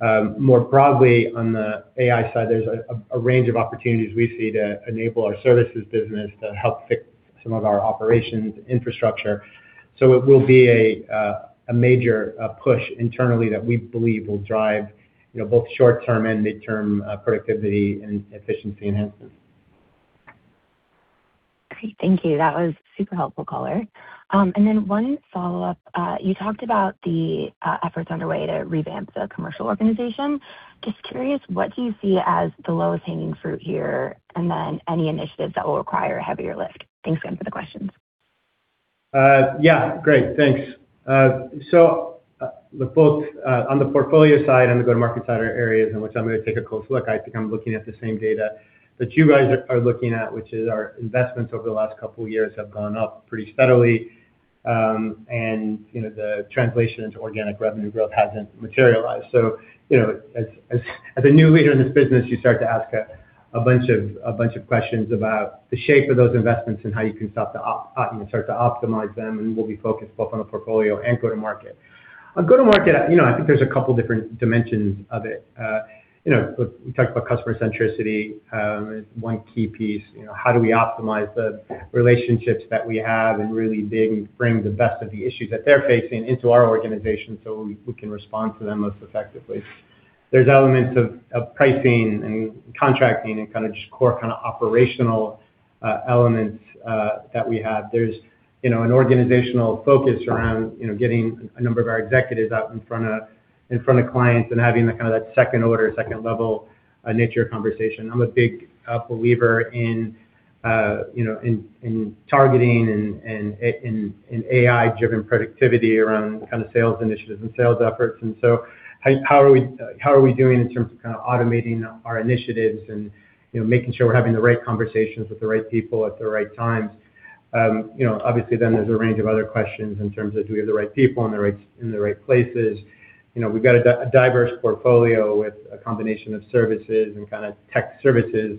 More broadly, on the AI side, there's a range of opportunities we see to enable our services business to help fix some of our operations infrastructure. It will be a major push internally that we believe will drive, you know, both short-term and midterm productivity and efficiency enhancements. Great. Thank you. That was super helpful, caller. One follow-up. You talked about the efforts underway to revamp the commercial organization. Just curious, what do you see as the lowest hanging fruit here, and then any initiatives that will require a heavier lift? Thanks again for the questions. Yeah, great. Thanks. The both on the portfolio side and the go-to-market side are areas in which I'm gonna take a close look. I think I'm looking at the same data that you guys are looking at, which is our investments over the last couple of years have gone up pretty steadily. You know, the translation into organic revenue growth hasn't materialized. You know, as a new leader in this business, you start to ask a bunch of questions about the shape of those investments and how you can start to optimize them, and we'll be focused both on the portfolio and go-to-market. On go-to-market, you know, I think there's a couple different dimensions of it. You know, look, we talked about customer centricity as one key piece. You know, how do we optimize the relationships that we have and really dig and frame the best of the issues that they're facing into our organization, so we can respond to them most effectively? There's elements of pricing and contracting and kinda just core kind of operational elements that we have. There's, you know, an organizational focus around, you know, getting a number of our executives out in front of clients and having the kind of that second order, second level nature of conversation. I'm a big believer in, you know, in targeting and in AI-driven productivity around kind of sales initiatives and sales efforts. How are we doing in terms of kind of automating our initiatives and, you know, making sure we're having the right conversations with the right people at the right times? You know, obviously, there's a range of other questions in terms of do we have the right people in the right places? You know, we've got a diverse portfolio with a combination of services and kind of tech services,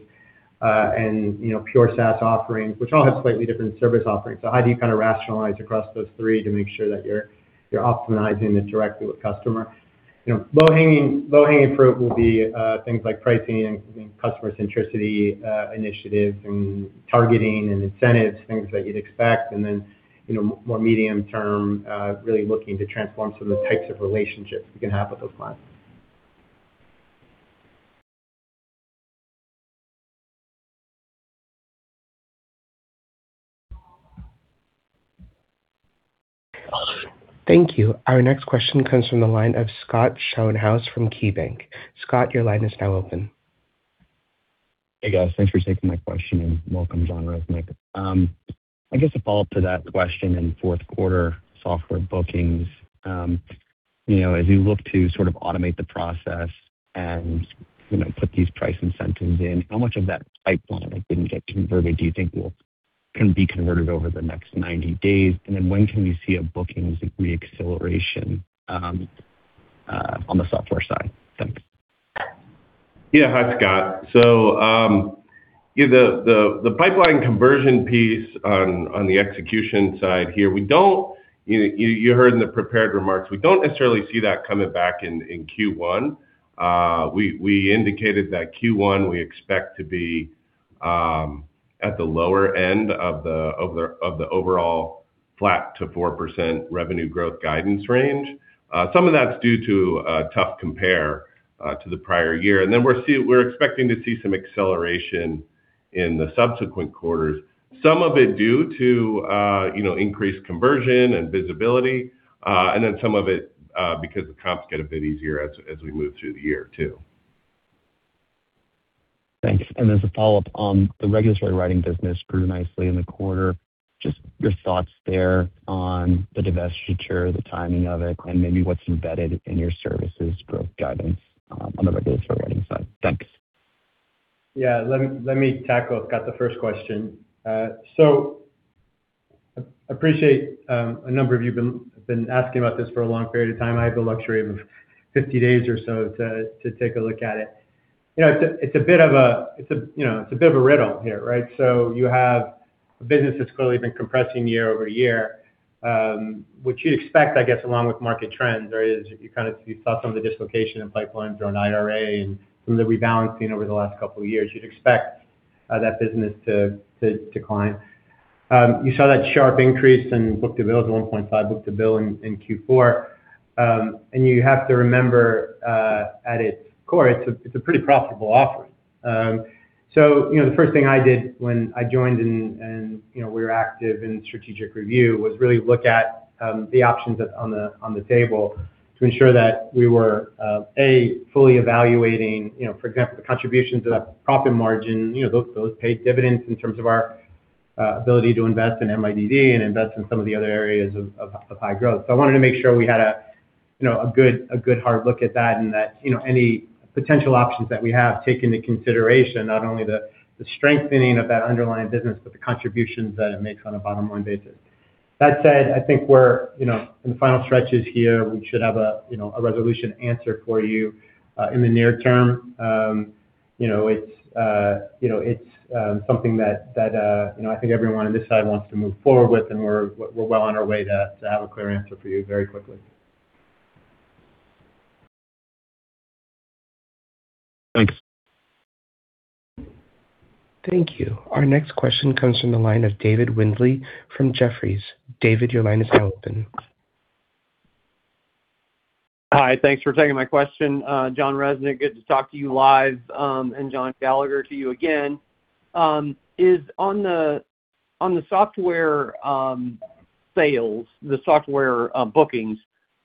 and, you know, pure SaaS offerings, which all have slightly different service offerings. How do you kind of rationalize across those three to make sure that you're optimizing this directly with customer. You know, low-hanging fruit will be things like pricing, customer centricity, initiatives and targeting and incentives, things that you'd expect. Then, you know, more medium term, really looking to transform some of the types of relationships we can have with those clients. Thank you. Our next question comes from the line of Scott Schoenhaus from KeyBank. Scott, your line is now open. Hey, guys. Thanks for taking my question, and welcome, Jon Resnick. I guess a follow-up to that question in fourth quarter software bookings. You know, as you look to sort of automate the process and, you know, put these price incentives in, how much of that pipeline, like, didn't get converted, do you think can be converted over the next 90 days? When can we see a bookings re-acceleration on the software side? Thanks. Yeah. Hi, Scott. The pipeline conversion piece on the execution side here, we don't, you heard in the prepared remarks, we don't necessarily see that coming back in Q1. We indicated that Q1, we expect to be at the lower end of the overall flat to 4% revenue growth guidance range. Some of that's due to a tough compare to the prior year. We're expecting to see some acceleration in the subsequent quarters, some of it due to, you know, increased conversion and visibility, and then some of it because the comps get a bit easier as we move through the year, too. Thanks. As a follow-up on the regulatory writing business grew nicely in the quarter, just your thoughts there on the divestiture, the timing of it, and maybe what's embedded in your services growth guidance on the regulatory writing side? Thanks. Yeah. Let me tackle, Scott, the first question. Appreciate a number of you been asking about this for a long period of time. I had the luxury of 50 days or so to take a look at it. You know, it's a bit of a, you know, it's a bit of a riddle here, right? You have a business that's clearly been compressing year-over-year, which you'd expect, I guess, along with market trends, you kind of, you saw some of the dislocation in pipelines around IRA and some of the rebalancing over the last couple of years. You'd expect that business to decline. You saw that sharp increase in book-to-bill, the 1.5 book-to-bill in Q4. You have to remember, at its core, it's a pretty profitable offering. You know, the first thing I did when I joined and, you know, we were active in strategic review, was really look at the options on the table to ensure that we were A, fully evaluating, you know, for example, the contributions to the profit margin. You know, those paid dividends in terms of our ability to invest in MIDD and invest in some of the other areas of high growth. I wanted to make sure we had a, you know, a good hard look at that and that, you know, any potential options that we have take into consideration not only the strengthening of that underlying business, but the contributions that it makes on a bottom line basis. That said, I think we're, you know, in the final stretches here. We should have a, you know, a resolution answer for you in the near term. You know, it's, you know, it's something that, you know, I think everyone on this side wants to move forward with, and we're well on our way to have a clear answer for you very quickly. Thanks. Thank you. Our next question comes from the line of David Windley from Jefferies. David, your line is now open. Hi. Thanks for taking my question. Jon Resnick, good to talk to you live, and Jon Gallagher, to you again. Is on the software sales, the software bookings,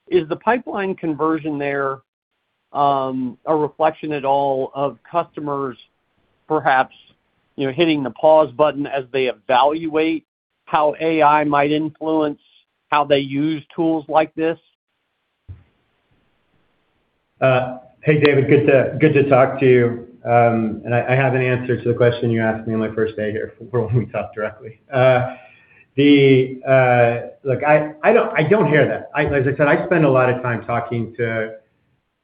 is the pipeline conversion there, a reflection at all of customers perhaps, you know, hitting the pause button as they evaluate how AI might influence how they use tools like this? Hey, David, good to talk to you. I have an answer to the question you asked me on my first day here before we talked directly. Look, I don't, I don't hear that. Like I said, I spend a lot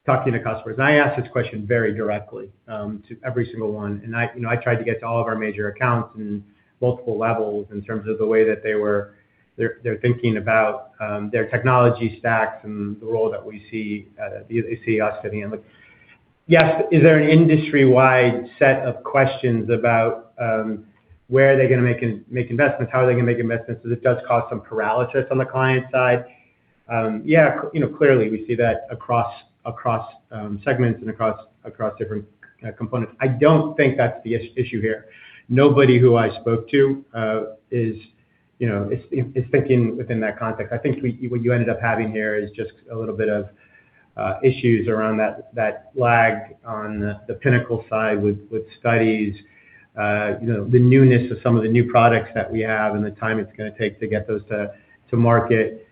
of time talking to customers. I ask this question very directly to every single one. I, you know, I tried to get to all of our major accounts in multiple levels in terms of the way that they're thinking about their technology stacks and the role that we see, they see us fitting in. Look, yes, is there an industry-wide set of questions about where are they gonna make investments? How are they gonna make investments? This does cause some paralysis on the client side. Yeah, you know, clearly, we see that across segments and across different components. I don't think that's the issue here. Nobody who I spoke to is, you know, thinking within that context. I think what you ended up having here is just a little bit of issues around that lag on the Pinnacle side with studies, you know, the newness of some of the new products that we have and the time it's gonna take to get those to market.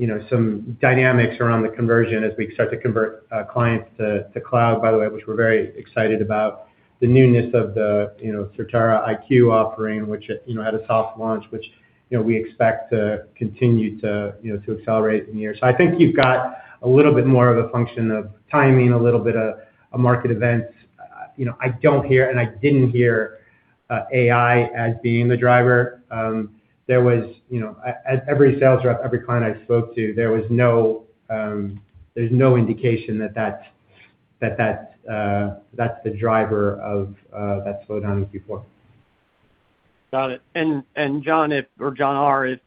You know, some dynamics around the conversion as we start to convert clients to cloud, by the way, which we're very excited about. The newness of the, you know, Certara IQ offering, which, you know, had a soft launch, which, you know, we expect to continue to, you know, to accelerate in the year. I think you've got a little bit more of a function of timing, a little bit of market events. You know, I don't hear, and I didn't hear, AI as being the driver. There was, you know, at every sales rep, every client I spoke to, there was no, there's no indication that that's, that that's the driver of, that slowdown in Q4. Got it. Jon, if or Jon R, if,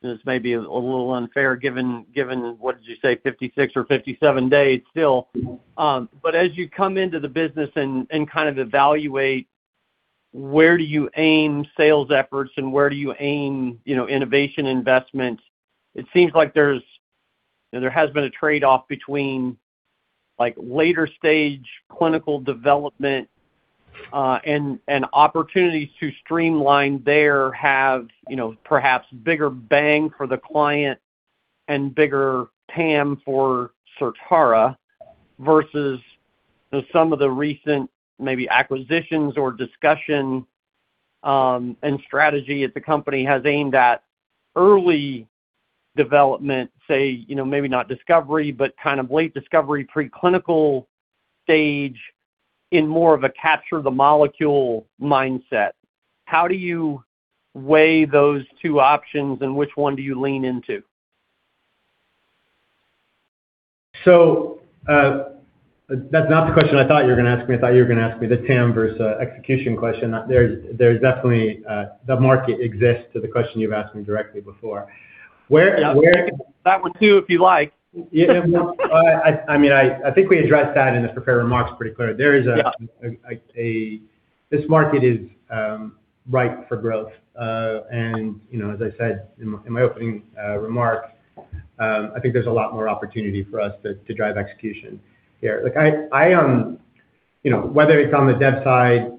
this may be a little unfair given what did you say, 56 or 57 days still? As you come into the business and kind of evaluate where do you aim sales efforts and where do you aim, you know, innovation investments, it seems like there's, you know, there has been a trade-off between like, later stage clinical development and opportunities to streamline there have, you know, perhaps bigger bang for the client and bigger TAM for Certara versus some of the recent maybe acquisitions or discussion and strategy that the company has aimed at early development, say, you know, maybe not discovery, but kind of late discovery, preclinical stage in more of a capture the molecule mindset. How do you weigh those two options, and which one do you lean into? That's not the question I thought you were going to ask me. I thought you were going to ask me the TAM versus execution question. There's definitely, the market exists to the question you've asked me directly before. Where. That one, too, if you like. Yeah, well, I mean, I think we addressed that in the prepared remarks pretty clear. Yeah. This market is ripe for growth. You know, as I said in my opening remarks, I think there's a lot more opportunity for us to drive execution here. Look, I, you know, whether it's on the dev side,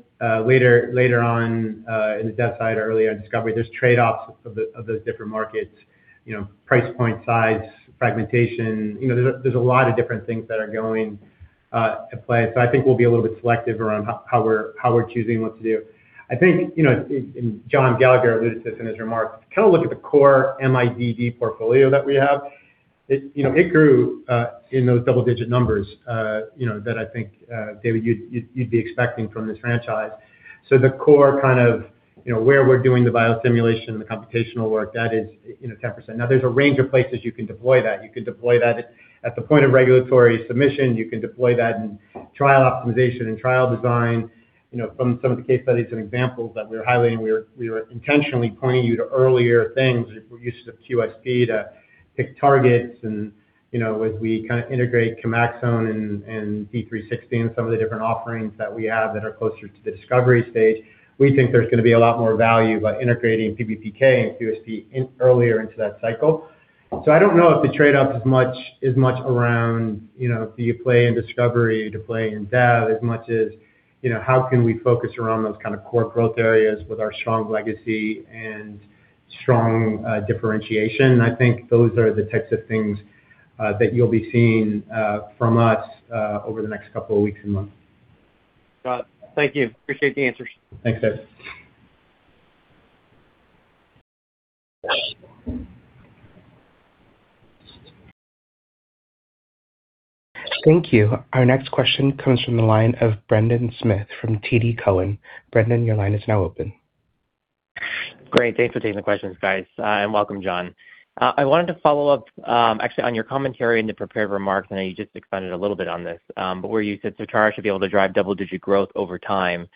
later on in the dev side or earlier in discovery, there's trade-offs of those different markets, you know, price point, size, fragmentation. You know, there's a lot of different things that are going to play. I think we'll be a little bit selective around how we're choosing what to do. I think, you know, and Jon Gallagher alluded to this in his remarks, kind of look at the core MIDD portfolio that we have. It, you know, it grew in those double-digit numbers, you know, that I think David, you'd be expecting from this franchise. The core kind of, you know, where we're doing the biosimulation and the computational work, that is in the 10%. There's a range of places you can deploy that. You could deploy that at the point of regulatory submission. You can deploy that in trial optimization and trial design. You know, from some of the case studies and examples that we were highlighting, we were intentionally pointing you to earlier things, if we're used to QSP, to pick targets. You know, as we integrate Chemaxon and D360 and some of the different offerings that we have that are closer to the discovery stage, we think there's going to be a lot more value by integrating PBPK and QSP earlier into that cycle. I don't know if the trade-off is much around, you know, do you play in discovery or do you play in dev, as much as, you know, how can we focus around those kind of core growth areas with our strong legacy and strong differentiation? I think those are the types of things that you'll be seeing from us over the next couple of weeks and months. Got it. Thank you. Appreciate the answers. Thanks, David. Thank you. Our next question comes from the line of Brendan Smith from TD Cowen. Brendan, your line is now open. Great. Thanks for taking the questions, guys, and welcome, Jon. I wanted to follow up, actually on your commentary in the prepared remarks. I know you just expanded a little bit on this. Where you said Certara should be able to drive double-digit growth over time.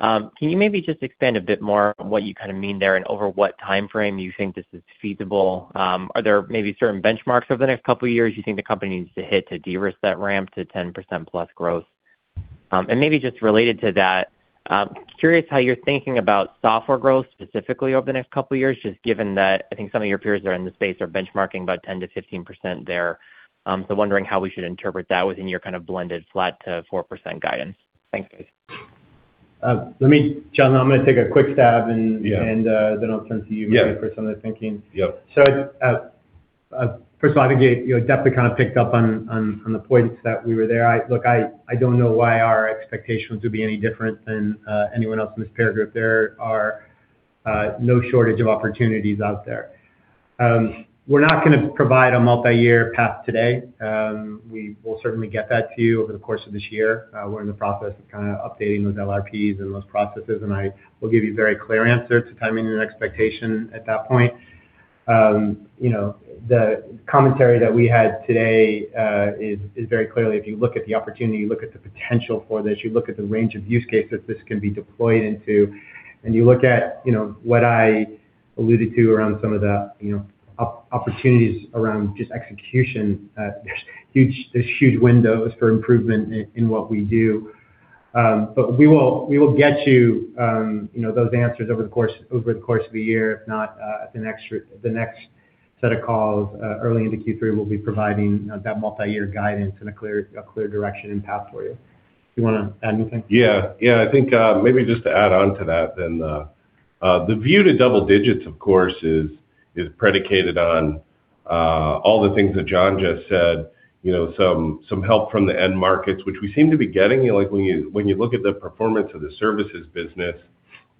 Can you maybe just expand a bit more on what you kind of mean there, and over what timeframe you think this is feasible? Are there maybe certain benchmarks over the next couple of years you think the company needs to hit to de-risk that ramp to 10%+ growth? And maybe just related to that, curious how you're thinking about software growth, specifically over the next couple of years, just given that I think some of your peers are in the space are benchmarking about 10%-15% there. Wondering how we should interpret that within your kind of blended flat to 4% guidance. Thanks, guys. Jon, I'm going to take a quick stab. Yeah. I'll turn to you. Yeah. for some of the thinking. Yep. First of all, I think you definitely kind of picked up on the points that we were there. Look, I don't know why our expectations would be any different than anyone else in this peer group. There are no shortage of opportunities out there. We're not going to provide a multi-year path today. We will certainly get that to you over the course of this year. We're in the process of kind of updating those LRPs and those processes, and I will give you a very clear answer to timing and expectation at that point. You know, the commentary that we had today is very clearly, if you look at the opportunity, you look at the potential for this, you look at the range of use cases this can be deployed into, and you look at, you know, what I alluded to around some of the, you know, opportunities around just execution, there's huge windows for improvement in what we do. We will get you know, those answers over the course, over the course of the year, if not, at the next set of calls. Early into Q3, we'll be providing that multi-year guidance and a clear direction and path for you. Do you want to add anything? Yeah. Yeah, I think, maybe just to add on to that, then, the view to double digits, of course, is predicated on, all the things that Jon just said. You know, some help from the end markets, which we seem to be getting. You know, like, when you look at the performance of the services business,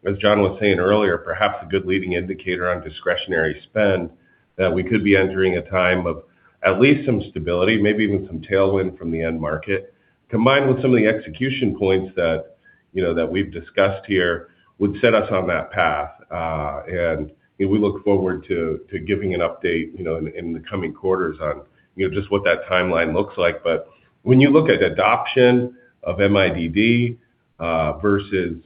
as Jon was saying earlier, perhaps a good leading indicator on discretionary spend, that we could be entering a time of at least some stability, maybe even some tailwind from the end market, combined with some of the execution points that, you know, that we've discussed here, would set us on that path. We look forward to giving an update, you know, in the coming quarters on, you know, just what that timeline looks like. When you look at adoption of MIDD versus,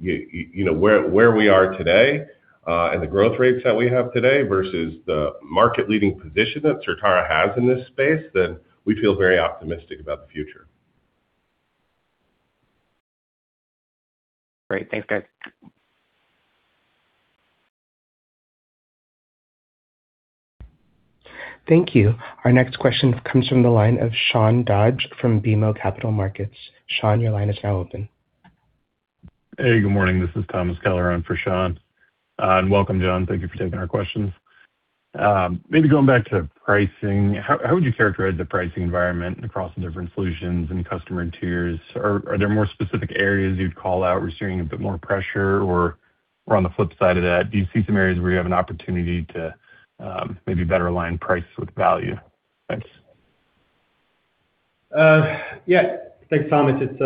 you know, where we are today, and the growth rates that we have today versus the market-leading position that Certara has in this space, then we feel very optimistic about the future. Great. Thanks, guys. Thank you. Our next question comes from the line of Sean Dodge from BMO Capital Markets. Sean, your line is now open. Hey, good morning. This is Thomas Kelliher in for Sean. Welcome, Jon. Thank you for taking our questions. Maybe going back to pricing, how would you characterize the pricing environment across the different solutions and customer tiers? Are there more specific areas you'd call out where you're seeing a bit more pressure? On the flip side of that, do you see some areas where you have an opportunity to maybe better align price with value? Thanks. Yeah. Thanks, Thomas. It's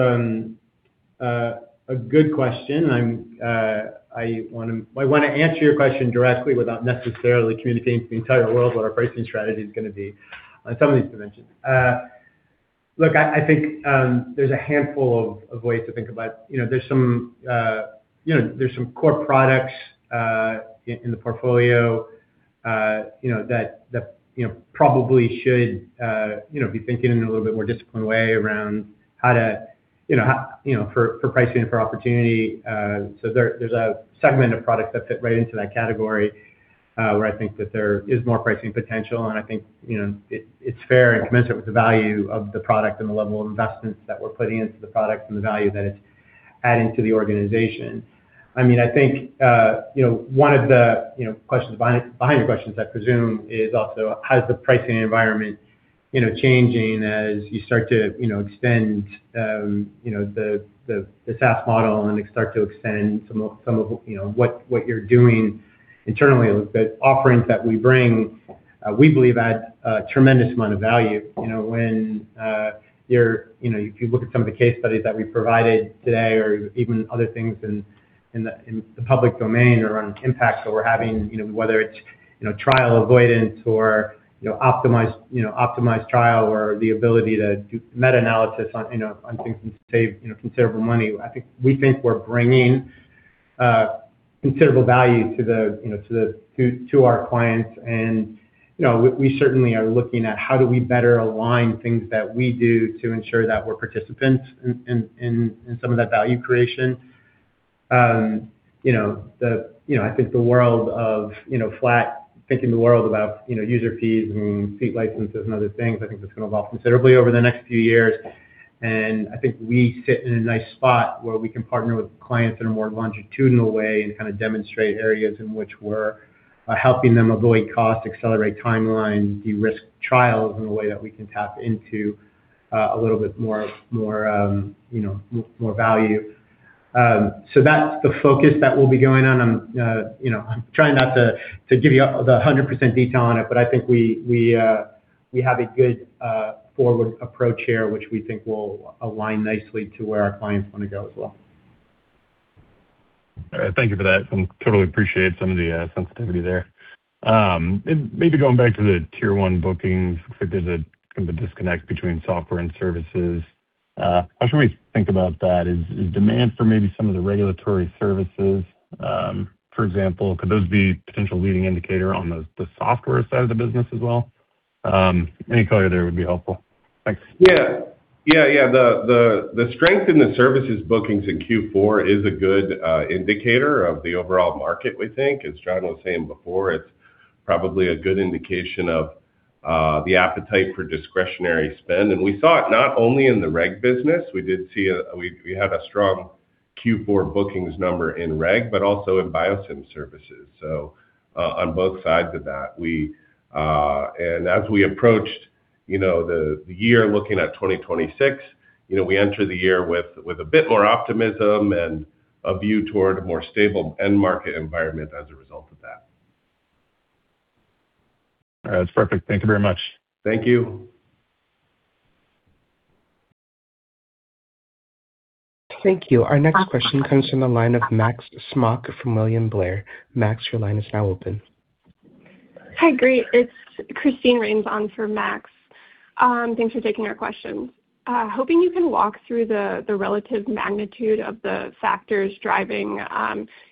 a good question, and I'm I want to answer your question directly without necessarily communicating to the entire world what our pricing strategy is gonna be on some of these dimensions. Look, I think, there's a handful of ways to think about... You know, there's some, you know, there's some core products, in the portfolio, you know, that, you know, probably should, you know, be thinking in a little bit more disciplined way around how to, you know, for pricing and for opportunity. There's a segment of products that fit right into that category, where I think that there is more pricing potential, and I think, you know, it's fair and commensurate with the value of the product and the level of investments that we're putting into the product and the value that it's adding to the organization. I mean, I think, you know, one of the, you know, questions behind your questions, I presume, is also how is the pricing environment, you know, changing as you start to, you know, extend the SaaS model and start to extend some of, you know, what you're doing internally. The offerings that we bring, we believe add a tremendous amount of value. You know, when, you're... You know, if you look at some of the case studies that we provided today or even other things in the public domain around impact that we're having, you know, whether it's, you know, trial avoidance or, you know, optimized, you know, optimized trial or the ability to do meta-analysis on, you know, on things and save, you know, considerable money, we think we're bringing considerable value to the, you know, to our clients. You know, we certainly are looking at how do we better align things that we do to ensure that we're participants in some of that value creation. You know, the, you know, I think the world of, you know, flat, thinking the world about, you know, user fees and seat licenses and other things, I think that's going to evolve considerably over the next few years. I think we sit in a nice spot where we can partner with clients in a more longitudinal way and kinda demonstrate areas in which we're helping them avoid cost, accelerate timeline, de-risk trials in a way that we can tap into a little bit more, more value. That's the focus that we'll be going on. You know, I'm trying not to give you the 100% detail on it, but I think we have a good forward approach here, which we think will align nicely to where our clients want to go as well. All right. Thank you for that. I totally appreciate some of the sensitivity there. Maybe going back to the Tier 1 bookings, looks like there's a kind of a disconnect between software and services. How should we think about that? Is, is demand for maybe some of the regulatory services, for example, could those be potential leading indicator on the software side of the business as well? Any color there would be helpful. Thanks. Yeah. The strength in the services bookings in Q4 is a good indicator of the overall market, we think. As Jon was saying before, it's probably a good indication of the appetite for discretionary spend. We saw it not only in the reg business, we had a strong Q4 bookings number in reg, but also in biosim services, so on both sides of that. We, as we approached, you know, the year looking at 2026, you know, we entered the year with a bit more optimism and a view toward a more stable end market environment as a result of that. All right. That's perfect. Thank you very much. Thank you. Thank you. Our next question comes from the line of Max Smock from William Blair. Max, your line is now open. Hi, great. It's Christine Rains on for Max. Thanks for taking our question. Hoping you can walk through the relative magnitude of the factors driving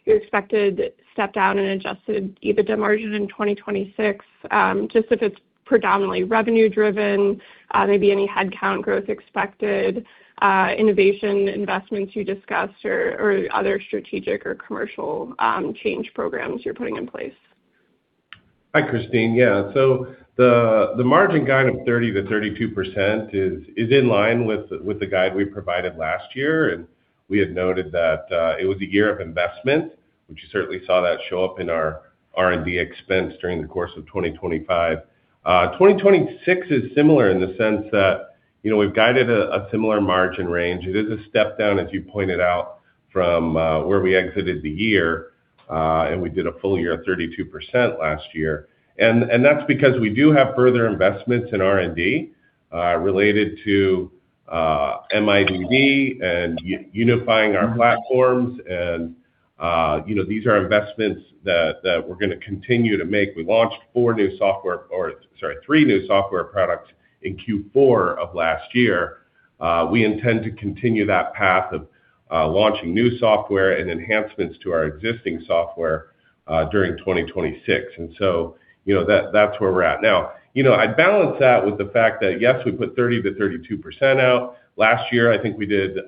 your expected step down in Adjusted EBITDA margin in 2026, just if it's predominantly revenue driven, maybe any headcount growth expected, innovation investments you discussed or other strategic or commercial change programs you're putting in place? Hi, Christine. The margin guide of 30%-32% is in line with the guide we provided last year, and we had noted that it was a year of investment, which you certainly saw that show up in our R&D expense during the course of 2025. 2026 is similar in the sense that, you know, we've guided a similar margin range. It is a step down, as you pointed out, from where we exited the year, and we did a full year of 32% last year. That's because we do have further investments in R&D related to MIDD and unifying our platforms. You know, these are investments that we're gonna continue to make. We launched 4 new software, or, sorry, 3 new software products in Q4 of last year. We intend to continue that path of launching new software and enhancements to our existing software during 2026. You know, that's where we're at now. You know, I balance that with the fact that, yes, we put 30%-32% out. Last year, I think we did,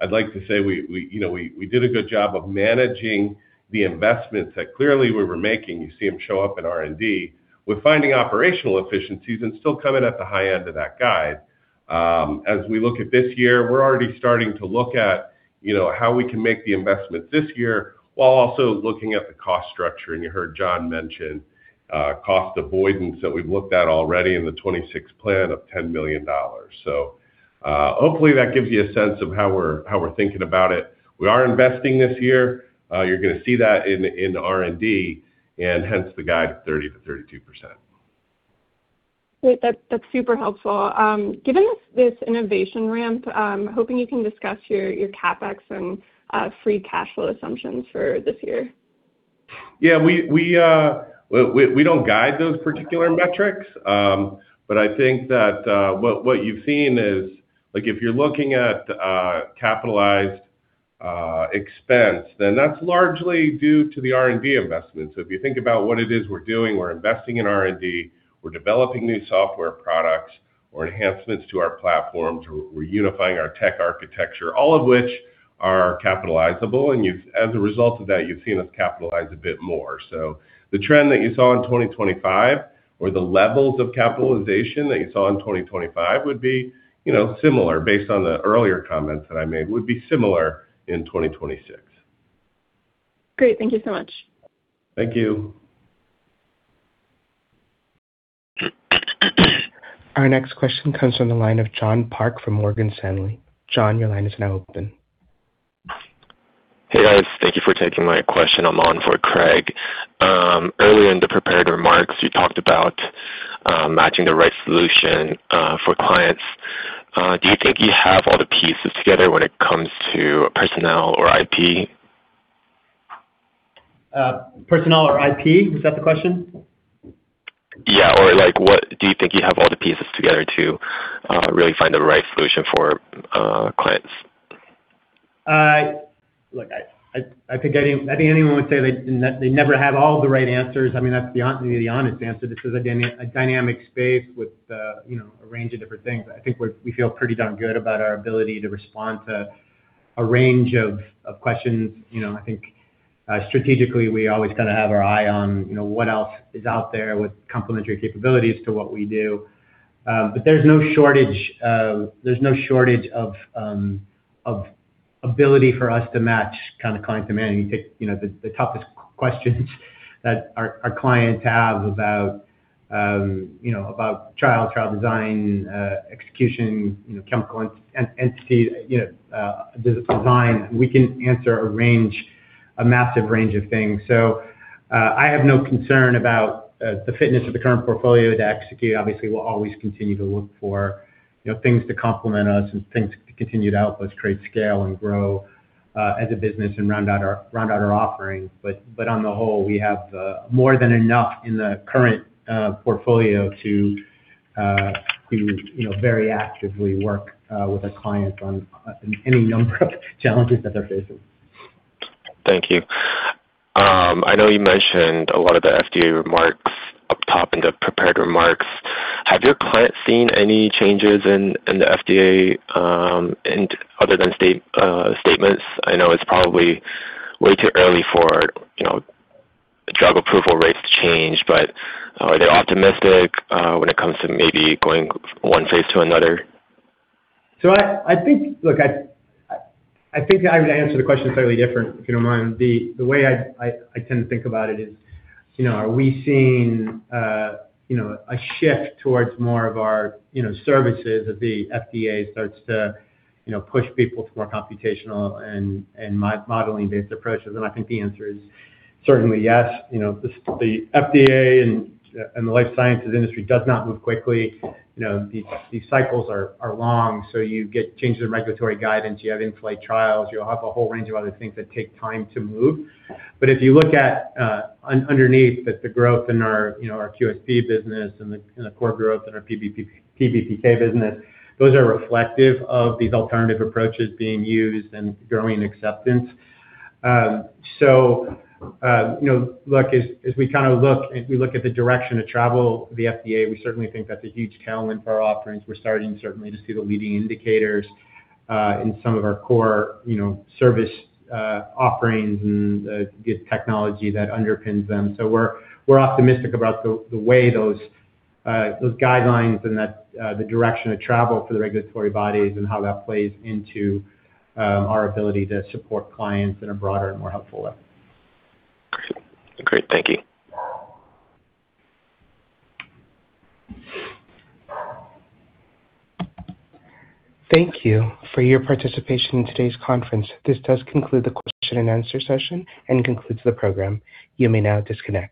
I'd like to say we, you know, we did a good job of managing the investments that clearly we were making. You see them show up in R&D. We're finding operational efficiencies and still coming at the high end of that guide. As we look at this year, we're already starting to look at, you know, how we can make the investments this year, while also looking at the cost structure. You heard Jon mention cost avoidance that we've looked at already in the 2026 plan of $10 million. Hopefully, that gives you a sense of how we're thinking about it. We are investing this year. You're gonna see that in the R&D, and hence the guide of 30%-32%. Great. That's super helpful. Given this innovation ramp, hoping you can discuss your CapEx and free cash flow assumptions for this year. Yeah, we don't guide those particular metrics, but I think that what you've seen is, like, if you're looking at capitalized expense, then that's largely due to the R&D investments. If you think about what it is we're doing, we're investing in R&D, we're developing new software products or enhancements to our platforms. We're unifying our tech architecture, all of which are capitalizable, and as a result of that, you've seen us capitalize a bit more. The trend that you saw in 2025, or the levels of capitalization that you saw in 2025, would be, you know, similar based on the earlier comments that I made, would be similar in 2026. Great. Thank you so much. Thank you. Our next question comes from the line of Jon Park from Morgan Stanley. Jon, your line is now open. Hey, guys. Thank you for taking my question. I'm on for Craig. Earlier in the prepared remarks, you talked about matching the right solution for clients. Do you think you have all the pieces together when it comes to personnel or IP? Personnel or IP, is that the question? Yeah. like, do you think you have all the pieces together to really find the right solution for clients? Look, I think anyone would say they never have all the right answers. I mean, that's the honest answer. This is a dynamic space with, you know, a range of different things. I think we feel pretty darn good about our ability to respond to a range of questions. You know, I think, strategically, we always gotta have our eye on, you know, what else is out there with complementary capabilities to what we do. There's no shortage of ability for us to match kind of client demand. You take, you know, the toughest questions that our clients have about, you know, about trial design, execution, you know, chemical entity, you know, design. We can answer a range, a massive range of things. I have no concern about the fitness of the current portfolio to execute. Obviously, we'll always continue to look for, you know, things to complement us and things to continue to help us create scale and grow as a business and round out our offerings. On the whole, we have more than enough in the current portfolio to, you know, very actively work with our clients on any number of challenges that they're facing. Thank you. I know you mentioned a lot of the FDA remarks up top in the prepared remarks. Have your clients seen any changes in the FDA, in other than state, statements? I know it's probably way too early for, you know, drug approval rates to change, but are they optimistic when it comes to maybe going one phase to another? I think. Look, I think I would answer the question fairly different, if you don't mind. The way I tend to think about it is, you know, are we seeing, you know, a shift towards more of our, you know, services as the FDA starts to, you know, push people to more computational and modeling-based approaches? I think the answer is certainly yes. You know, the FDA and the life sciences industry does not move quickly. You know, these cycles are long, so you get changes in regulatory guidance, you have inflate trials, you have a whole range of other things that take time to move. If you look at underneath the growth in our, you know, our QSP business and the, and the core growth in our PBPK business, those are reflective of these alternative approaches being used and growing acceptance. You know, look, as we look at the direction of travel, the FDA, we certainly think that's a huge talent for our offerings. We're starting certainly to see the leading indicators in some of our core, you know, service offerings and the technology that underpins them. We're, we're optimistic about the way those guidelines and that the direction of travel for the regulatory bodies and how that plays into our ability to support clients in a broader and more helpful way. Great. Thank you. Thank you for your participation in today's conference. This does conclude the question and answer session and concludes the program. You may now disconnect.